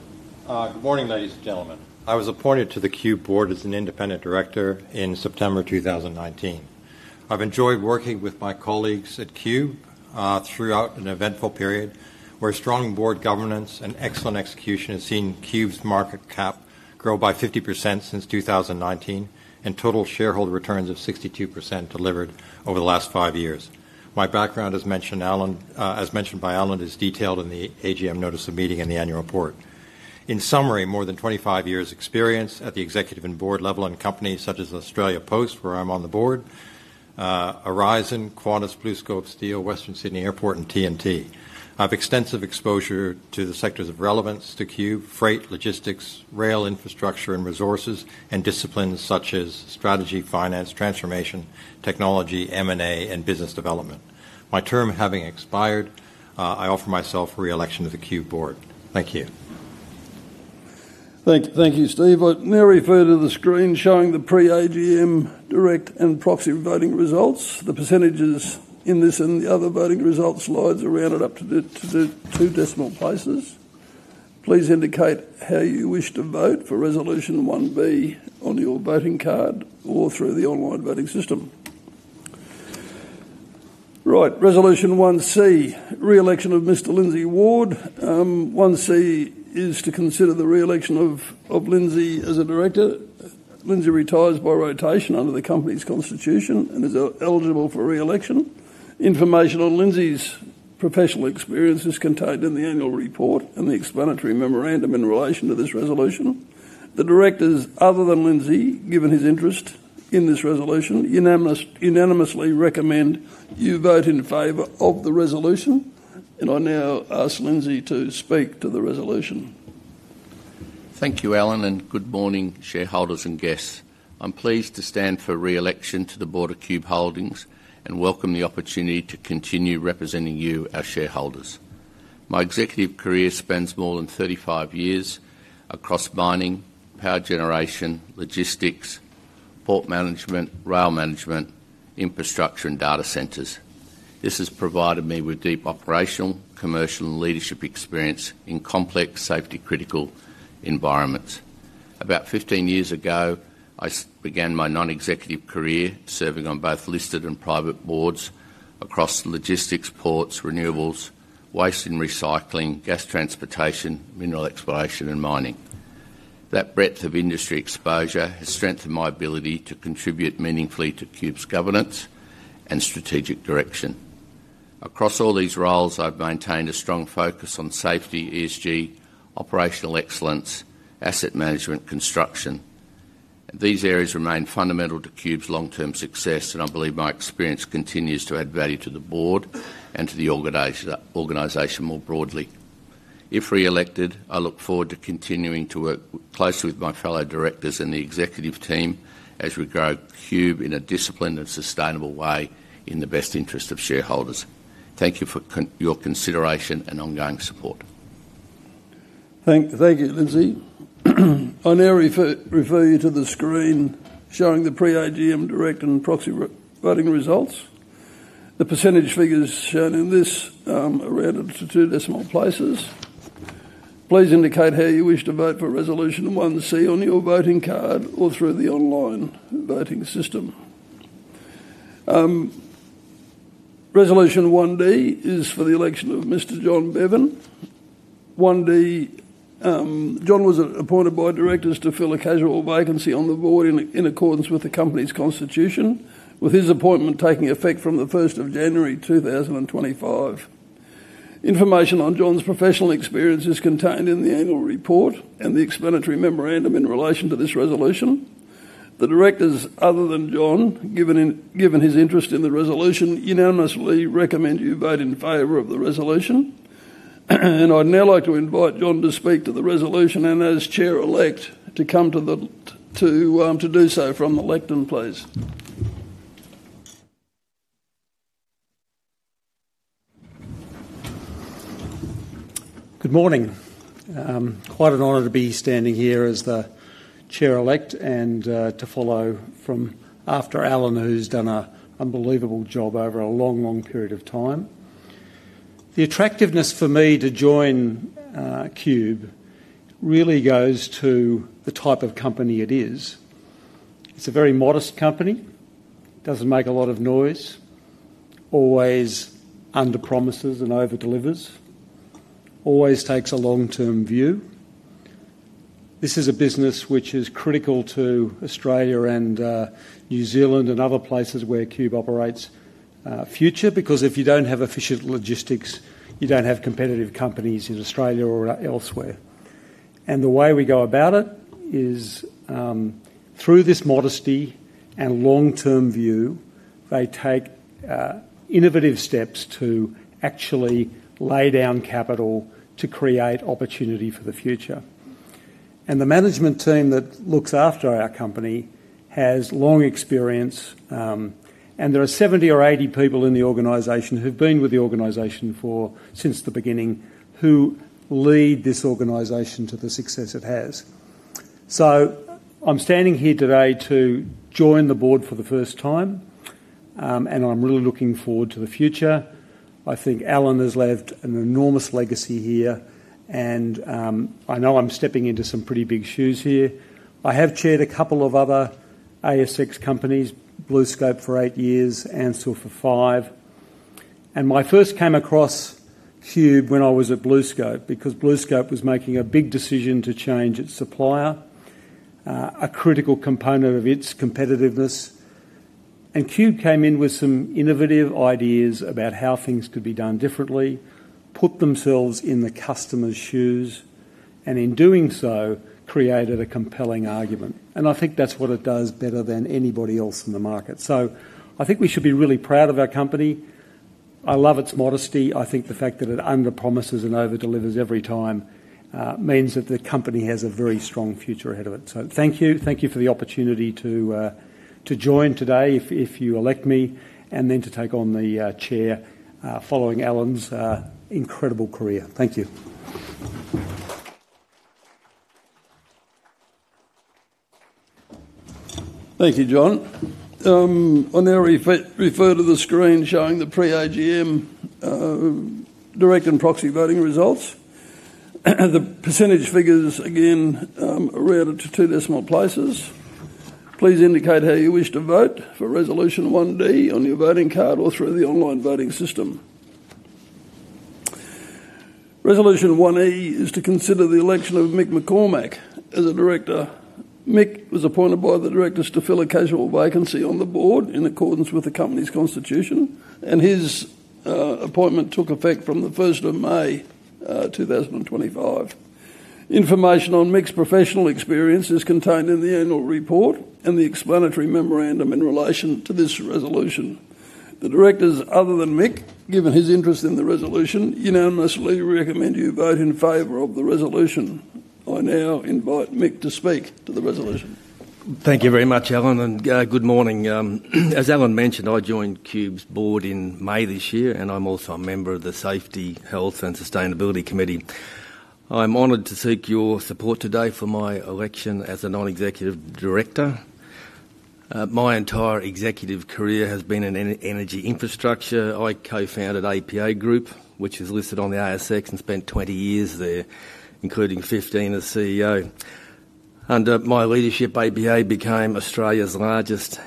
Good morning, ladies and gentlemen. I was appointed to the Qube board as an independent director in September 2019. I've enjoyed working with my colleagues at Qube throughout an eventful period where strong board governance and excellent execution have seen Qube's market cap grow by 50% since 2019 and total shareholder returns of 62% delivered over the last five years. My background, as mentioned by Allan, is detailed in the AGM notice of meeting and the annual report. In summary, more than 25 years' experience at the executive and board level in companies such as Australia Post, where I'm on the board, Aurizon, Qantas, BlueScope Steel, Western Sydney Airport, and TNT. I have extensive exposure to the sectors of relevance to Qube, freight, logistics, rail infrastructure and resources, and disciplines such as strategy, finance, transformation, technology, M&A, and business development. My term having expired, I offer myself re-election to the Qube board. Thank you. Thank you, Steve. I now refer to the screen showing the pre-AGM direct and proxy voting results. The percentages in this and the other voting results slides are rounded up to two decimal places. Please indicate how you wish to vote for resolution 1B on your voting card or through the online voting system. Right, resolution 1C, re-election of Mr. Lindsay Ward. 1C is to consider the re-election of Lindsay as a director. Lindsay retires by rotation under the company's constitution and is eligible for re-election. Information on Lindsay's professional experience is contained in the annual report and the explanatory memorandum in relation to this resolution. The directors, other than Lindsay, given his interest in this resolution, unanimously recommend you vote in favor of the resolution. I now ask Lindsay to speak to the resolution. Thank you, Allan, and good morning, shareholders and guests. I'm pleased to stand for re-election to the board of Qube Holdings and welcome the opportunity to continue representing you, our shareholders. My executive career spans more than 35 years across mining, power generation, logistics, port management, rail management, infrastructure, and data centers. This has provided me with deep operational, commercial, and leadership experience in complex safety-critical environments. About 15 years ago, I began my non-executive career serving on both listed and private boards across logistics, ports, renewables, waste and recycling, gas transportation, mineral exploration, and mining. That breadth of industry exposure has strengthened my ability to contribute meaningfully to Qube's governance and strategic direction. Across all these roles, I've maintained a strong focus on safety, ESG, operational excellence, asset management, and construction. These areas remain fundamental to Qube's long-term success, and I believe my experience continues to add value to the board and to the organization more broadly. If re-elected, I look forward to continuing to work closely with my fellow directors and the executive team as we grow Qube in a disciplined and sustainable way in the best interest of shareholders. Thank you for your consideration and ongoing support. Thank you, Lindsay. I now refer you to the screen showing the pre-AGM direct and proxy voting results. The percentage figures shown in this are rounded to two decimal places. Please indicate how you wish to vote for resolution 1C on your voting card or through the online voting system. Resolution 1D is for the election of Mr. John Beavan. 1D, John was appointed by directors to fill a casual vacancy on the board in accordance with the company's constitution, with his appointment taking effect from the 1st of January 2025. Information on John's professional experience is contained in the annual report and the explanatory memorandum in relation to this resolution. The directors, other than John, given his interest in the resolution, unanimously recommend you vote in favor of the resolution. I'd now like to invite John to speak to the resolution and as chair-elect to come to do so from the lectern, please. Good morning. Quite an honor to be standing here as the chair-elect and to follow from after Allan, who's done an unbelievable job over a long, long period of time. The attractiveness for me to join Qube really goes to the type of company it is. It's a very modest company. It doesn't make a lot of noise, always under-promises and over-delivers, always takes a long-term view. This is a business which is critical to Australia and New Zealand and other places where Qube operates future because if you don't have efficient logistics, you don't have competitive companies in Australia or elsewhere. The way we go about it is through this modesty and long-term view, they take innovative steps to actually lay down capital to create opportunity for the future. The management team that looks after our company has long experience, and there are 70 or 80 people in the organization who've been with the organization since the beginning who lead this organization to the success it has. I'm standing here today to join the board for the first time, and I'm really looking forward to the future. I think Allan has left an enormous legacy here, and I know I'm stepping into some pretty big shoes here. I have chaired a couple of other ASX companies, BlueScope for eight years, Ansell for five. My first came across Qube when I was at BlueScope because BlueScope was making a big decision to change its supplier, a critical component of its competitiveness. Qube came in with some innovative ideas about how things could be done differently, put themselves in the customer's shoes, and in doing so, created a compelling argument. I think that's what it does better than anybody else in the market. I think we should be really proud of our company. I love its modesty. I think the fact that it under-promises and over-delivers every time means that the company has a very strong future ahead of it. Thank you. Thank you for the opportunity to join today if you elect me and then to take on the chair following Allan's incredible career. Thank you. Thank you, John. I now refer to the screen showing the pre-AGM direct and proxy voting results. The percentage figures again are rounded to two decimal places. Please indicate how you wish to vote for resolution 1D on your voting card or through the online voting system. Resolution 1E is to consider the election of Mick McCormack as a director. Mick was appointed by the directors to fill a casual vacancy on the board in accordance with the company's constitution, and his appointment took effect from the 1st of May 2025. Information on Mick's professional experience is contained in the annual report and the explanatory memorandum in relation to this resolution. The directors, other than Mick, given his interest in the resolution, unanimously recommend you vote in favor of the resolution. I now invite Mick to speak to the resolution. Thank you very much, Allan, and good morning. As Allan mentioned, I joined Qube's board in May this year, and I'm also a member of the Safety, Health and Sustainability Committee. I'm honored to seek your support today for my election as a non-executive director. My entire executive career has been in energy infrastructure. I co-founded APA Group, which is listed on the ASX, and spent 20 years there, including 15 as CEO. Under my leadership, APA became Australia's largest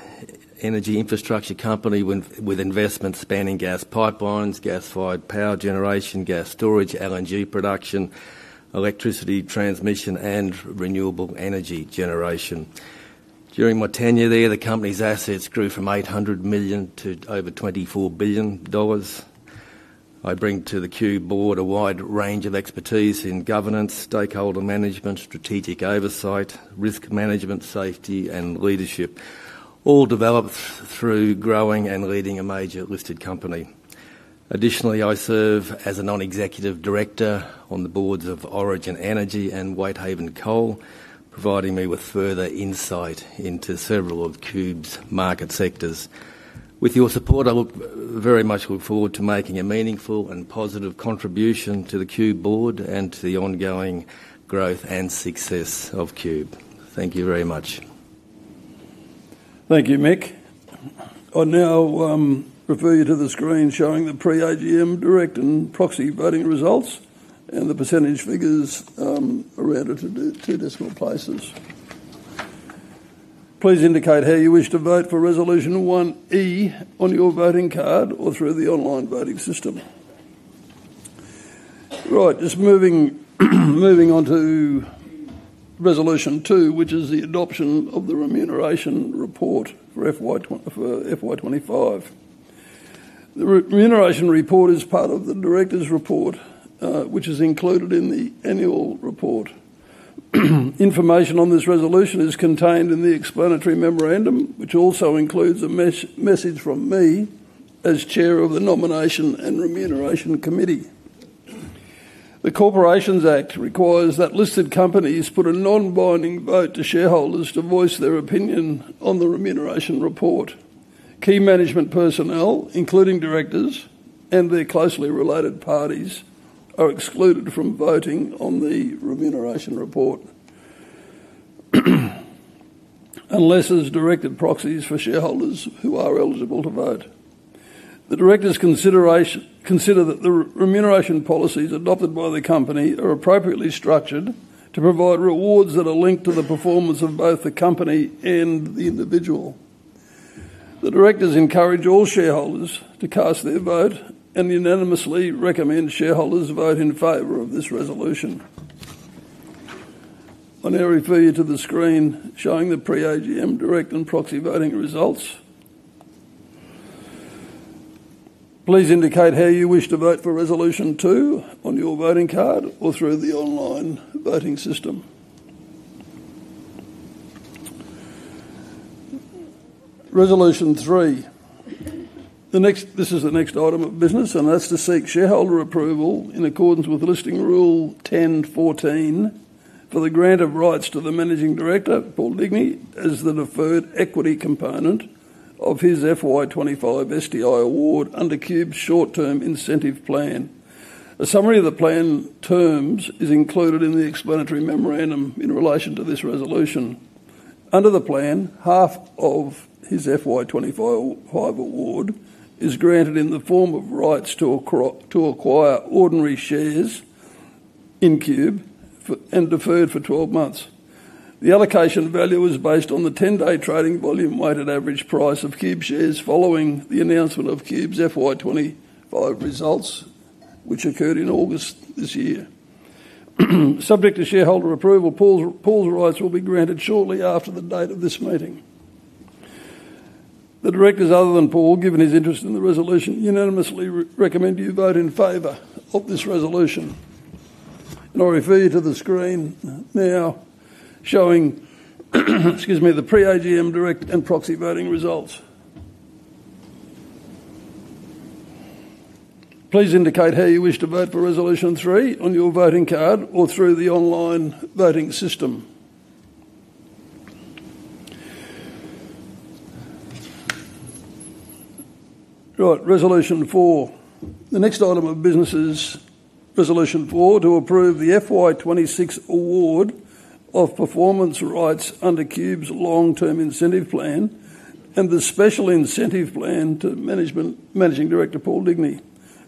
energy infrastructure company with investments spanning gas pipelines, gas-fired power generation, gas storage, LNG production, electricity transmission, and renewable energy generation. During my tenure there, the company's assets grew from 800 million to over 24 billion dollars. I bring to the Qube board a wide range of expertise in governance, stakeholder management, strategic oversight, risk management, safety, and leadership, all developed through growing and leading a major listed company. Additionally, I serve as a non-executive director on the boards of Origin Energy and Whitehaven Coal, providing me with further insight into several of Qube's market sectors. With your support, I very much look forward to making a meaningful and positive contribution to the Qube board and to the ongoing growth and success of Qube. Thank you very much. Thank you, Mick. I now refer you to the screen showing the pre-AGM direct and proxy voting results and the % figures rounded to two decimal places. Please indicate how you wish to vote for resolution 1E on your voting card or through the online voting system. Right, just moving on to resolution 2, which is the adoption of the remuneration report for FY25. The remuneration report is part of the directors' report, which is included in the annual report. Information on this resolution is contained in the explanatory memorandum, which also includes a message from me as Chair of the Nomination and Remuneration Committee. The Corporations Act requires that listed companies put a non-binding vote to shareholders to voice their opinion on the remuneration report. Key management personnel, including directors and their closely related parties, are excluded from voting on the remuneration report unless as directed proxies for shareholders who are eligible to vote. The directors consider that the remuneration policies adopted by the company are appropriately structured to provide rewards that are linked to the performance of both the company and the individual. The directors encourage all shareholders to cast their vote and unanimously recommend shareholders vote in favor of this resolution. I now refer you to the screen showing the pre-AGM direct and proxy voting results. Please indicate how you wish to vote for resolution 2 on your voting card or through the online voting system. Resolution 3. This is the next item of business, and that's to seek shareholder approval in accordance with Listing Rule 10.14 for the grant of rights to the Managing Director, Paul Digney, as the deferred equity component of his FY25 STI award under Qube's short-term incentive plan. A summary of the plan terms is included in the explanatory memorandum in relation to this resolution. Under the plan, half of his FY25 award is granted in the form of rights to acquire ordinary shares in Qube and deferred for 12 months. The allocation value is based on the 10-day trading volume weighted average price of Qube shares following the announcement of Qube's FY25 results, which occurred in August this year. Subject to shareholder approval, Paul's rights will be granted shortly after the date of this meeting. The directors, other than Paul, given his interest in the resolution, unanimously recommend you vote in favor of this resolution. I refer you to the screen now showing the pre-AGM direct and proxy voting results. Please indicate how you wish to vote for resolution 3 on your voting card or through the online voting system. Right, resolution 4. The next item of business is resolution 4 to approve the FY26 award of performance rights under Qube's long-term incentive plan and the special incentive plan to Managing Director Paul Digney.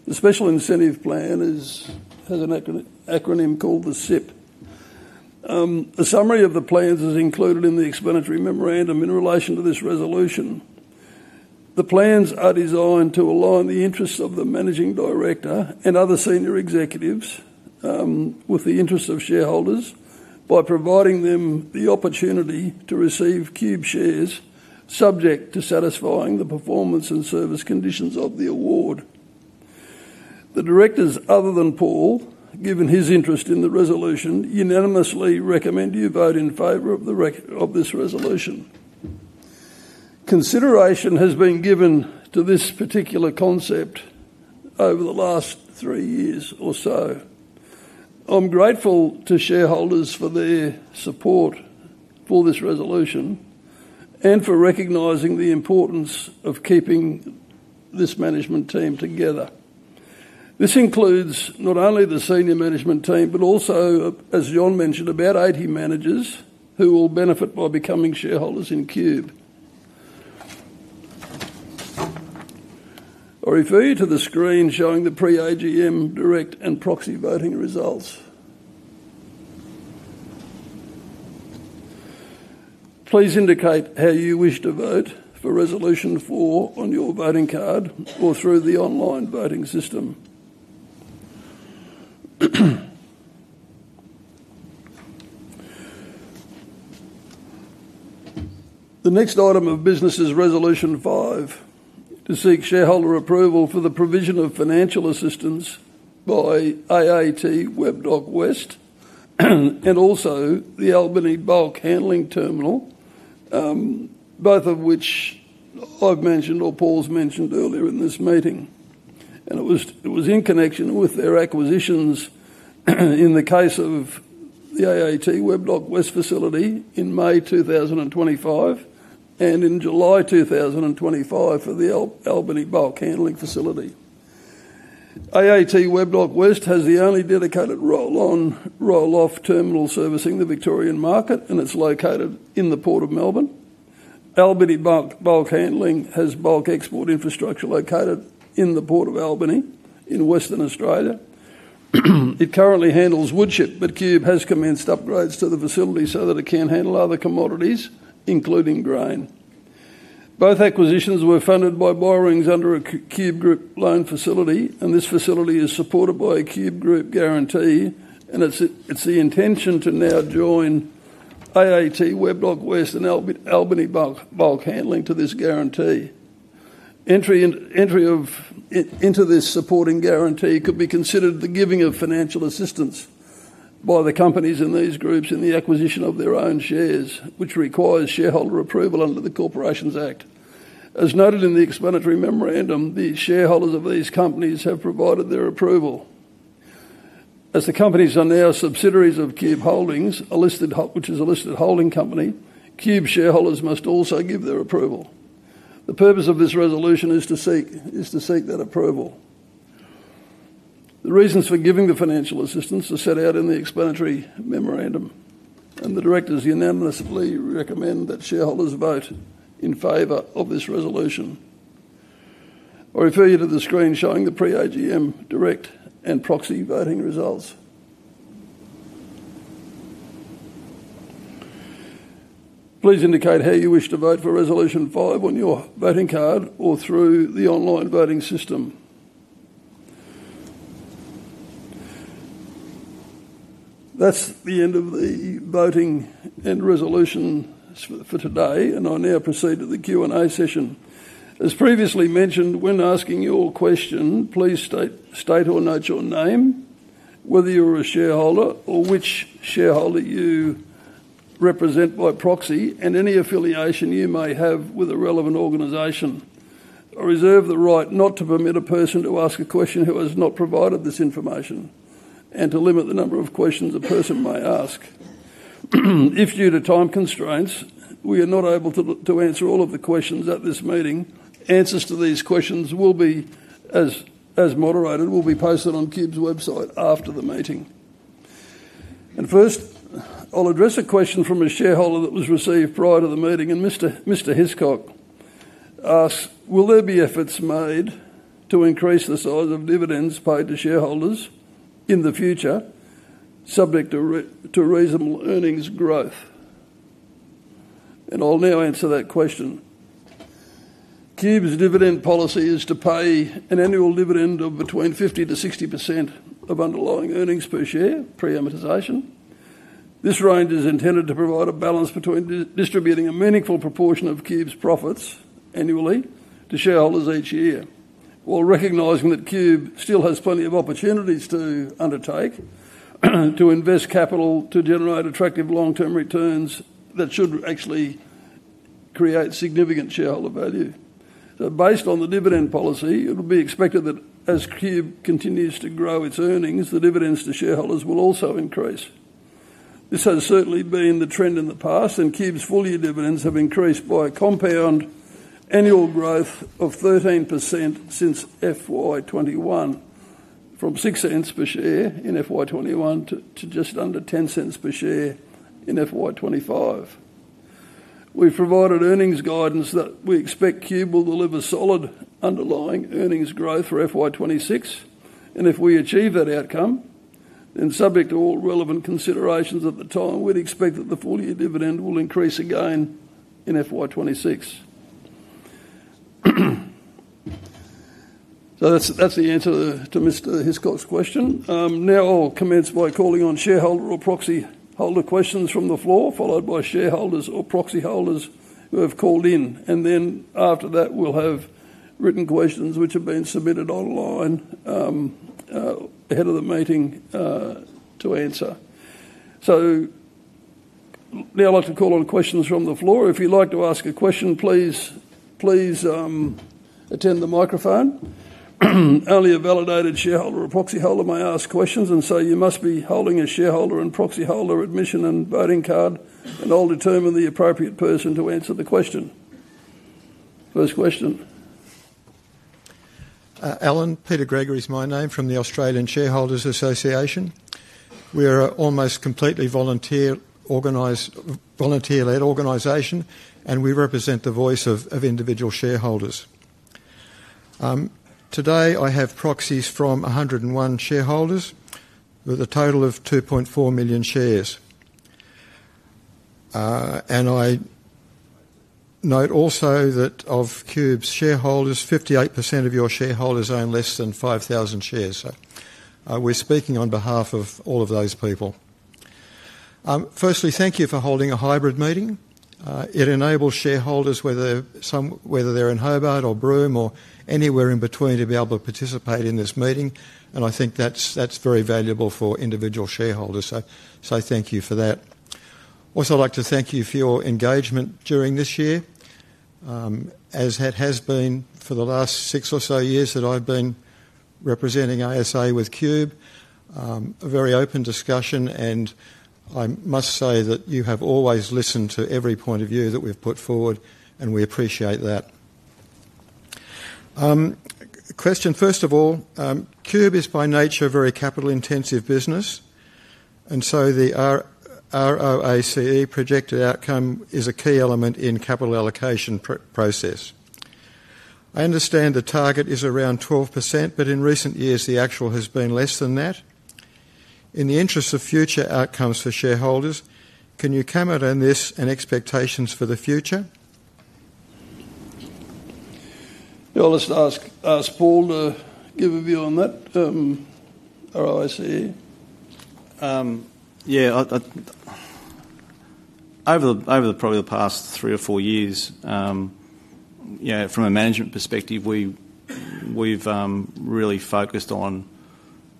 The special incentive plan has an acronym called the SIP. A summary of the plans is included in the explanatory memorandum in relation to this resolution. The plans are designed to align the interests of the managing director and other senior executives with the interests of shareholders by providing them the opportunity to receive Qube shares subject to satisfying the performance and service conditions of the award. The directors, other than Paul, given his interest in the resolution, unanimously recommend you vote in favor of this resolution. Consideration has been given to this particular concept over the last three years or so. I'm grateful to shareholders for their support for this resolution and for recognizing the importance of keeping this management team together. This includes not only the senior management team, but also, as John mentioned, about 80 managers who will benefit by becoming shareholders in Qube. I refer you to the screen showing the pre-AGM direct and proxy voting results. Please indicate how you wish to vote for resolution 4 on your voting card or through the online voting system. The next item of business is resolution 5 to seek shareholder approval for the provision of financial assistance by AAT Webb Dock West and also the Albany Bulk Handling Terminal, both of which I've mentioned or Paul's mentioned earlier in this meeting. It was in connection with their acquisitions in the case of the AAT Webb Dock West facility in May 2025 and in July 2025 for the Albany Bulk Handling facility. AAT Webb Dock West has the only dedicated roll-on/roll-off terminal servicing the Victorian market, and it's located in the Port of Melbourne. Albany Bulk Handling has bulk export infrastructure located in the Port of Albany in Western Australia. It currently handles woodchip, but Qube has commenced upgrades to the facility so that it can handle other commodities, including grain. Both acquisitions were funded by borrowings under a Qube Group loan facility, and this facility is supported by a Qube Group guarantee, and it's the intention to now join AAT Webb Dock West and Albany Bulk Handling to this guarantee. Entry into this supporting guarantee could be considered the giving of financial assistance by the companies in these groups in the acquisition of their own shares, which requires shareholder approval under the Corporations Act. As noted in the explanatory memorandum, the shareholders of these companies have provided their approval. As the companies are now subsidiaries of Qube Holdings, which is a listed holding company, Qube shareholders must also give their approval. The purpose of this resolution is to seek that approval. The reasons for giving the financial assistance are set out in the explanatory memorandum, and the directors unanimously recommend that shareholders vote in favor of this resolution. I refer you to the screen showing the pre-AGM direct and proxy voting results. Please indicate how you wish to vote for resolution 5 on your voting card or through the online voting system. That's the end of the voting and resolution for today, and I now proceed to the Q&A session. As previously mentioned, when asking your question, please state or note your name, whether you're a shareholder or which shareholder you represent by proxy, and any affiliation you may have with a relevant organisation. I reserve the right not to permit a person to ask a question who has not provided this information and to limit the number of questions a person may ask. If due to time constraints, we are not able to answer all of the questions at this meeting, answers to these questions, as moderated, will be posted on Qube's website after the meeting. First, I'll address a question from a shareholder that was received prior to the meeting. Mr. Hiscock asks, will there be efforts made to increase the size of dividends paid to shareholders in the future, subject to reasonable earnings growth? I'll now answer that question. Qube's dividend policy is to pay an annual dividend of between 50%-60% of underlying earnings per share, pre-amortization. This range is intended to provide a balance between distributing a meaningful proportion of Qube's profits annually to shareholders each year, while recognizing that Qube still has plenty of opportunities to undertake, to invest capital to generate attractive long-term returns that should actually create significant shareholder value. Based on the dividend policy, it will be expected that as Qube continues to grow its earnings, the dividends to shareholders will also increase. This has certainly been the trend in the past, and Qube's full-year dividends have increased by a compound annual growth of 13% since FY2021, from 6 cents per share in FY2021 to just under 10 cents per share in FY2025. We have provided earnings guidance that we expect Qube will deliver solid underlying earnings growth for FY2026, and if we achieve that outcome, then subject to all relevant considerations at the time, we would expect that the full-year dividend will increase again in FY2026. That is the answer to Mr. Hiscock's question. Now I'll commence by calling on shareholder or proxy holder questions from the floor, followed by shareholders or proxy holders who have called in, and after that, we'll have written questions which have been submitted online ahead of the meeting to answer. Now I'd like to call on questions from the floor. If you'd like to ask a question, please attend the microphone. Only a validated shareholder or proxy holder may ask questions, and you must be holding a shareholder and proxy holder admission and voting card, and I'll determine the appropriate person to answer the question. First question. Allan, Peter Gregory's my name from the Australian Shareholders Association. We're an almost completely volunteer-led organization, and we represent the voice of individual shareholders. Today, I have proxies from 101 shareholders with a total of 2.4 million shares. I note also that of Qube's shareholders, 58% of your shareholders own less than 5,000 shares, so we're speaking on behalf of all of those people. Firstly, thank you for holding a hybrid meeting. It enables shareholders, whether they're in Hobart or Broome or anywhere in between, to be able to participate in this meeting, and I think that's very valuable for individual shareholders, so thank you for that. Also, I'd like to thank you for your engagement during this year, as it has been for the last six or so years that I've been representing ASA with Qube. A very open discussion, and I must say that you have always listened to every point of view that we've put forward, and we appreciate that. Question, first of all, Qube is by nature a very capital-intensive business, and so the ROACE projected outcome is a key element in the capital allocation process. I understand the target is around 12%, but in recent years, the actual has been less than that. In the interest of future outcomes for shareholders, can you comment on this and expectations for the future? Yeah, I'll just ask Paul to give a view on that ROACE. Yeah, over probably the past three or four years, from a management perspective, we've really focused on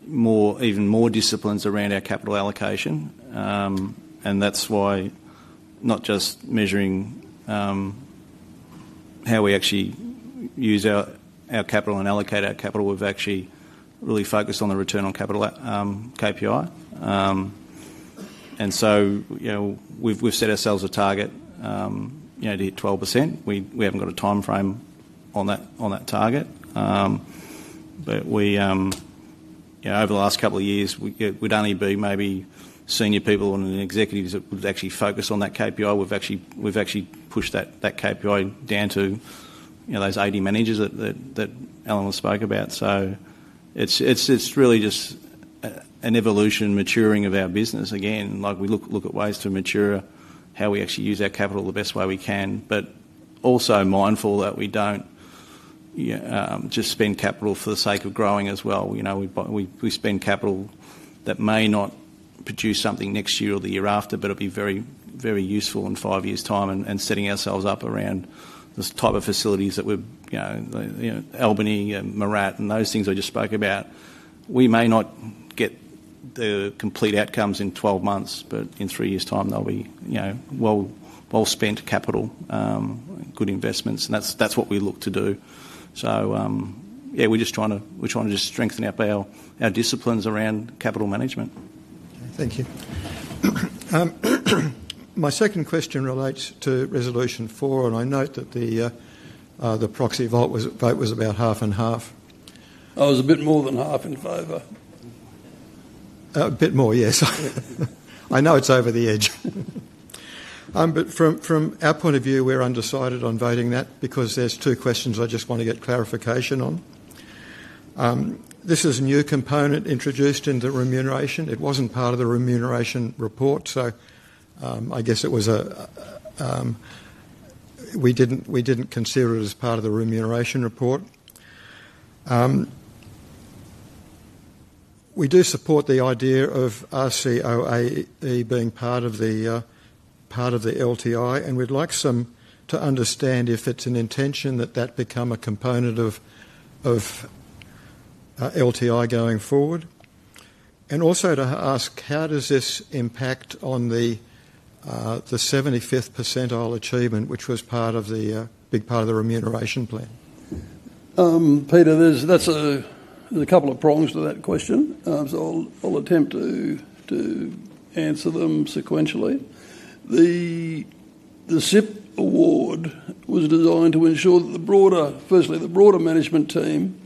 even more disciplines around our capital allocation, and that's why not just measuring how we actually use our capital and allocate our capital, we've actually really focused on the return on capital KPI. We've set ourselves a target to hit 12%. We haven't got a timeframe on that target, but over the last couple of years, it would only be maybe senior people and executives that would actually focus on that KPI. We've actually pushed that KPI down to those 80 managers that Allan spoke about, so it's really just an evolution, maturing of our business. Again, we look at ways to mature how we actually use our capital the best way we can, but also mindful that we don't just spend capital for the sake of growing as well. We spend capital that may not produce something next year or the year after, but it'll be very useful in five years' time, and setting ourselves up around this type of facilities that we're Albany, Mora, and those things I just spoke about. We may not get the complete outcomes in 12 months, but in three years' time, we'll spend capital, good investments, and that's what we look to do. Yeah, we're just trying to just strengthen up our disciplines around capital management. Thank you. My second question relates to resolution 4, and I note that the proxy vote was about half and half. Oh, it was a bit more than half and over. A bit more, yes. I know it's over the edge. From our point of view, we're undecided on voting that because there are two questions I just want to get clarification on. This is a new component introduced into the remuneration. It wasn't part of the remuneration report, so I guess we didn't consider it as part of the remuneration report. We do support the idea of ROACE being part of the LTI, and we'd like to understand if it's an intention that that become a component of LTI going forward. Also, how does this impact on the 75th percentile achievement, which was a big part of the remuneration plan? Peter, there's a couple of prongs to that question, so I'll attempt to answer them sequentially. The SIP award was designed to ensure that the broader, firstly, the broader management team,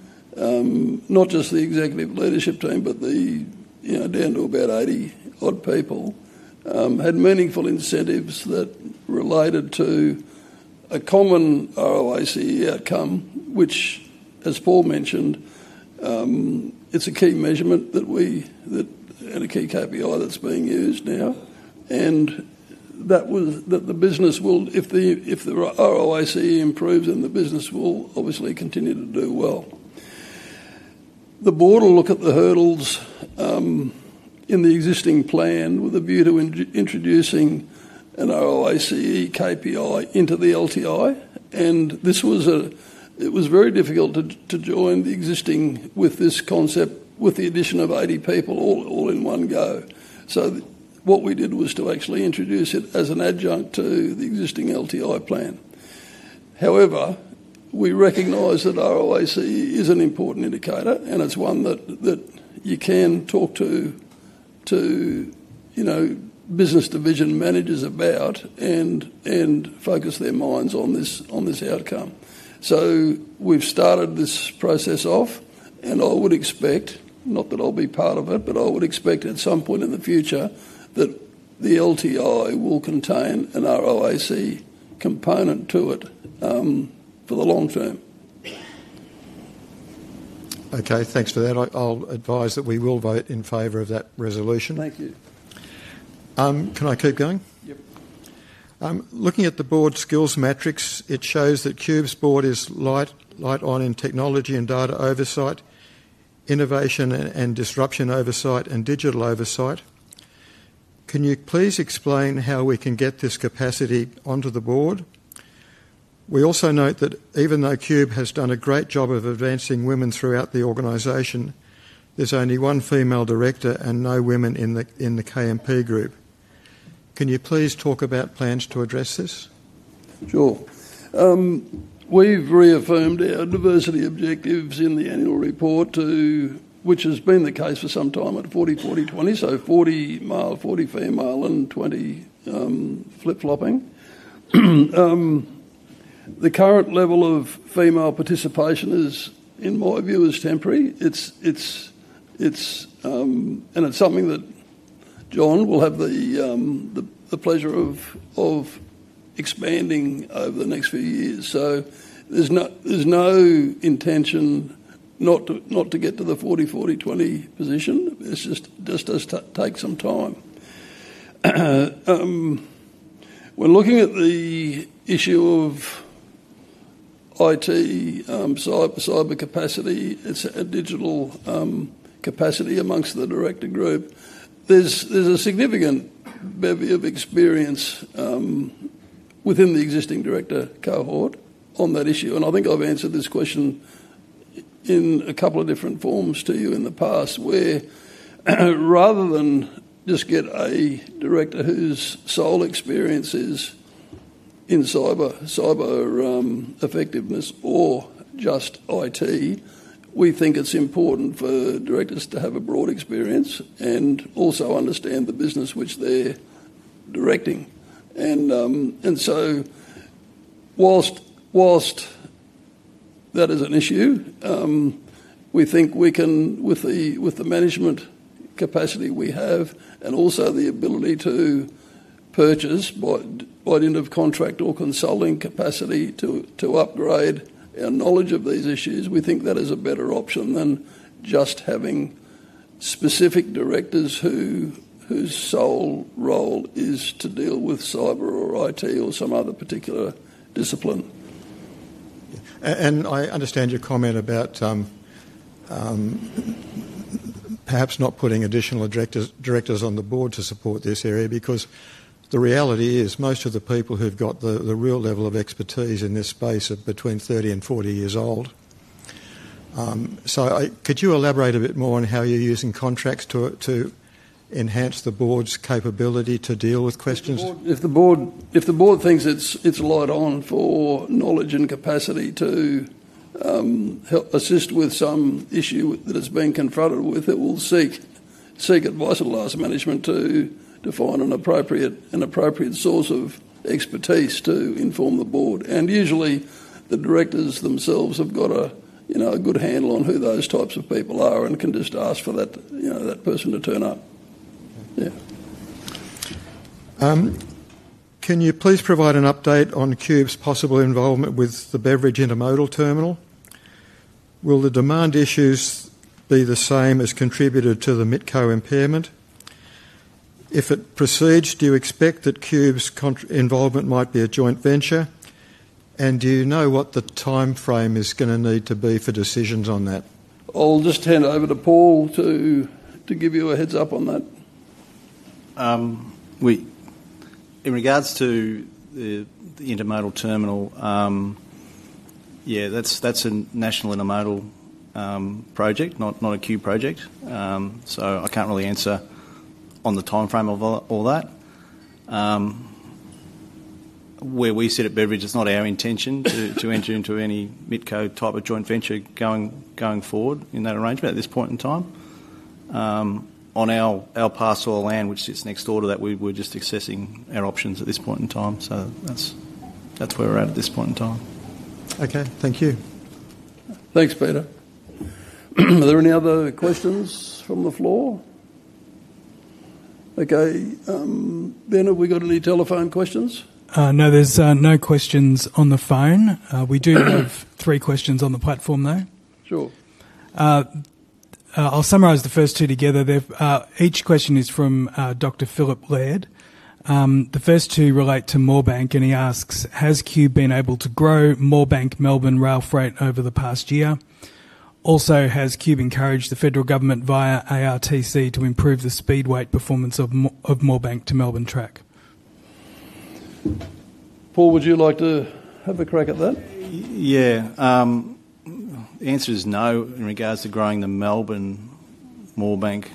not just the executive leadership team, but down to about 80-odd people, had meaningful incentives that related to a common ROACE outcome, which, as Paul mentioned, it's a key measurement and a key KPI that's being used now, and that the business will, if the ROACE improves, then the business will obviously continue to do well. The board will look at the hurdles in the existing plan with a view to introducing an ROACE KPI into the LTI, and it was very difficult to join the existing with this concept with the addition of 80 people all in one go. What we did was to actually introduce it as an adjunct to the existing LTI plan. However, we recognize that ROACE is an important indicator, and it's one that you can talk to business division managers about and focus their minds on this outcome. We've started this process off, and I would expect, not that I'll be part of it, but I would expect at some point in the future that the LTI will contain an ROACE component to it for the long term. Okay, thanks for that. I'll advise that we will vote in favor of that resolution. Thank you. Can I keep going? Yep. Looking at the board skills matrix, it shows that Qube's board is light on in technology and data oversight, innovation and disruption oversight, and digital oversight. Can you please explain how we can get this capacity onto the board? We also note that even though Qube has done a great job of advancing women throughout the organization, there's only one female director and no women in the KMP group. Can you please talk about plans to address this? Sure. We have reaffirmed our diversity objectives in the annual report, which has been the case for some time at 40, 40, 20, so 40% male, 40% female, and 20% flip-flopping. The current level of female participation is, in my view, temporary, and it is something that John will have the pleasure of expanding over the next few years. There is no intention not to get to the 40, 40, 20 position. It just does take some time. When looking at the issue of IT cyber capacity, digital capacity amongst the director group, there's a significant bevy of experience within the existing director cohort on that issue. I think I've answered this question in a couple of different forms to you in the past, where rather than just get a director whose sole experience is in cyber effectiveness or just IT, we think it's important for directors to have a broad experience and also understand the business which they're directing. Whilst that is an issue, we think we can, with the management capacity we have and also the ability to purchase by end of contract or consulting capacity to upgrade our knowledge of these issues, we think that is a better option than just having specific directors whose sole role is to deal with cyber or IT or some other particular discipline. I understand your comment about perhaps not putting additional directors on the board to support this area because the reality is most of the people who've got the real level of expertise in this space are between 30 and 40 years old. Could you elaborate a bit more on how you're using contracts to enhance the board's capability to deal with questions? If the board thinks it's light on for knowledge and capacity to help assist with some issue that it's been confronted with, it will seek advice, at last management, to find an appropriate source of expertise to inform the board. Usually, the directors themselves have got a good handle on who those types of people are and can just ask for that person to turn up. Yeah. Can you please provide an update on Qube's possible involvement with the Beveridge Intermodal Terminal? Will the demand issues be the same as contributed to the Minto impairment? If it proceeds, do you expect that Qube's involvement might be a joint venture? Do you know what the timeframe is going to need to be for decisions on that? I'll just hand over to Paul to give you a heads-up on that. In regards to the Intermodal Terminal, yeah, that's a national intermodal project, not a Qube project, so I can't really answer on the timeframe of all that. Where we sit at Beveridge, it's not our intention to enter into any Mitco type of joint venture going forward in that arrangement at this point in time. On our parcel of land, which sits next door to that, we're just assessing our options at this point in time, so that's where we're at at this point in time. Okay, thank you. Thanks, Peter. Are there any other questions from the floor? Okay, Ben, have we got any telephone questions? No, there's no questions on the phone. We do have three questions on the platform, though. Sure. I'll summarise the first two together. Each question is from Dr. Philip Laird. The first two relate to Moorebank, and he asks, "Has Qube been able to grow Moorebank-Melbourne rail freight over the past year? Also, has Qube encouraged the federal government via ARTC to improve the speedway performance of Moorebank to Melbourne track? Paul, would you like to have a crack at that? Yeah. The answer is no in regards to growing the Melbourne-Moorebank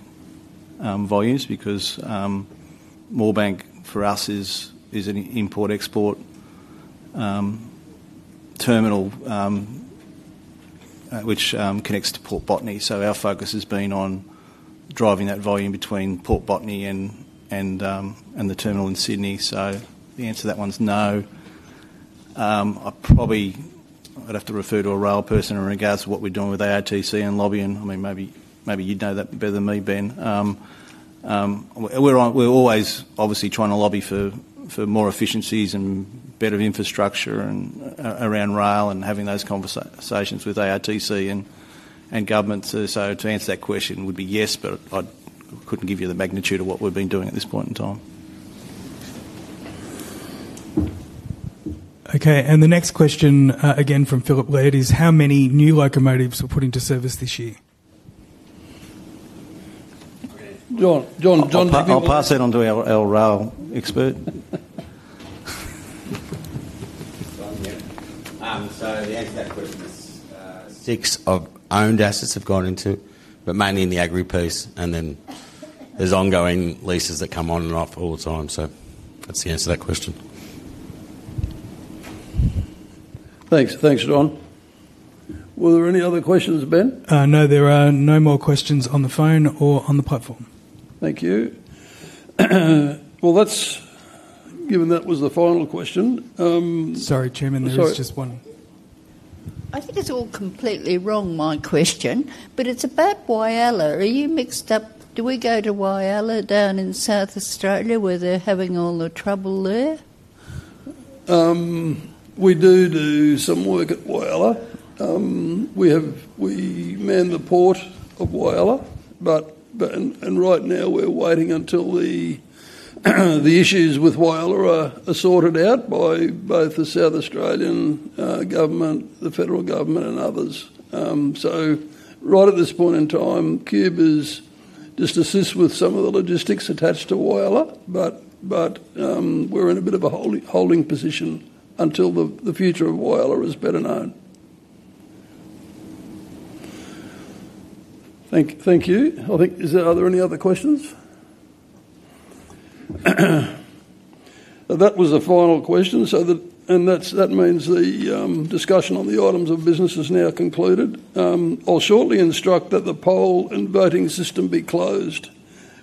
volumes because Moorebank, for us, is an import-export terminal which connects to Port Botany, so our focus has been on driving that volume between Port Botany and the terminal in Sydney. The answer to that one's no. I'd have to refer to a rail person in regards to what we're doing with ARTC and lobbying. I mean, maybe you'd know that better than me, Ben. We're always obviously trying to lobby for more efficiencies and better infrastructure around rail and having those conversations with ARTC and government. To answer that question would be yes, but I couldn't give you the magnitude of what we've been doing at this point in time. Okay, the next question, again from Philip Laird, is how many new locomotives we're putting to service this year? John. I'll pass that on to our rail expert. The answer to that question is six of owned assets have gone into, but mainly in the agri piece, and then there's ongoing leases that come on and off all the time, so that's the answer to that question. Thanks, thanks, John. Were there any other questions, Ben? No, there are no more questions on the phone or on the platform. Thank you. Given that was the final question. Sorry, Chairman, there was just one. I think it's all completely wrong, my question, but it's about Whyalla. Are you mixed up? Do we go to Whyalla down in South Australia where they're having all the trouble there? We do do some work at Whyalla. We man the port of Whyalla, and right now we're waiting until the issues with Whyalla are sorted out by both the South Australian government, the federal government, and others. Right at this point in time, Qube is just assist with some of the logistics attached to Whyalla, but we're in a bit of a holding position until the future of Whyalla is better known. Thank you. Are there any other questions? That was the final question, and that means the discussion on the items of business is now concluded. I'll shortly instruct that the poll and voting system be closed.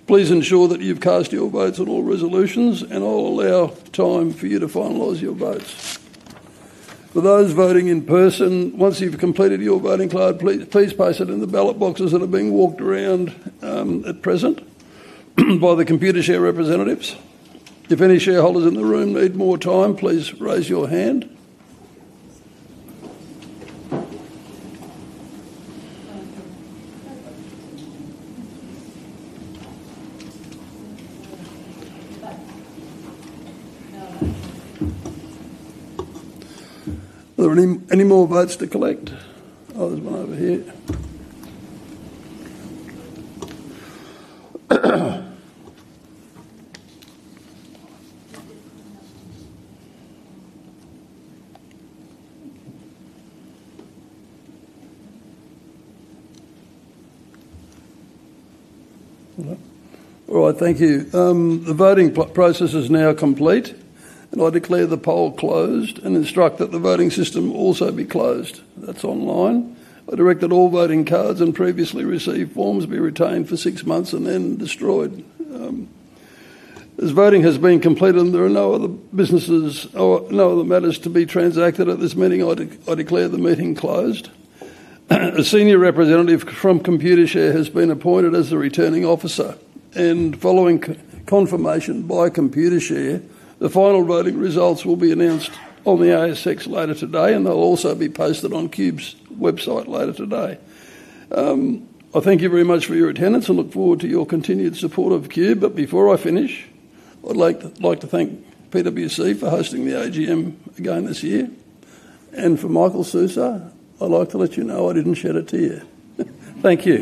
Please ensure that you've cast your votes on all resolutions, and I'll allow time for you to finalise your votes. For those voting in person, once you've completed your voting card, please place it in the ballot boxes that are being walked around at present by the Computershare representatives. If any shareholders in the room need more time, please raise your hand. Are there any more votes to collect? Oh, there's one over here. All right, thank you. The voting process is now complete, and I declare the poll closed and instruct that the voting system also be closed. That's online. I direct that all voting cards and previously received forms be retained for six months and then destroyed. As voting has been completed and there are no other businesses, no other matters to be transacted at this meeting, I declare the meeting closed. A senior representative from Computershare has been appointed as the returning officer, and following confirmation by Computershare, the final voting results will be announced on the ASX later today, and they'll also be posted on Qube's website later today. I thank you very much for your attendance and look forward to your continued support of Qube, but before I finish, I'd like to thank PwC for hosting the AGM again this year, and for Michael Sousa, I'd like to let you know I didn't share it to you. Thank you.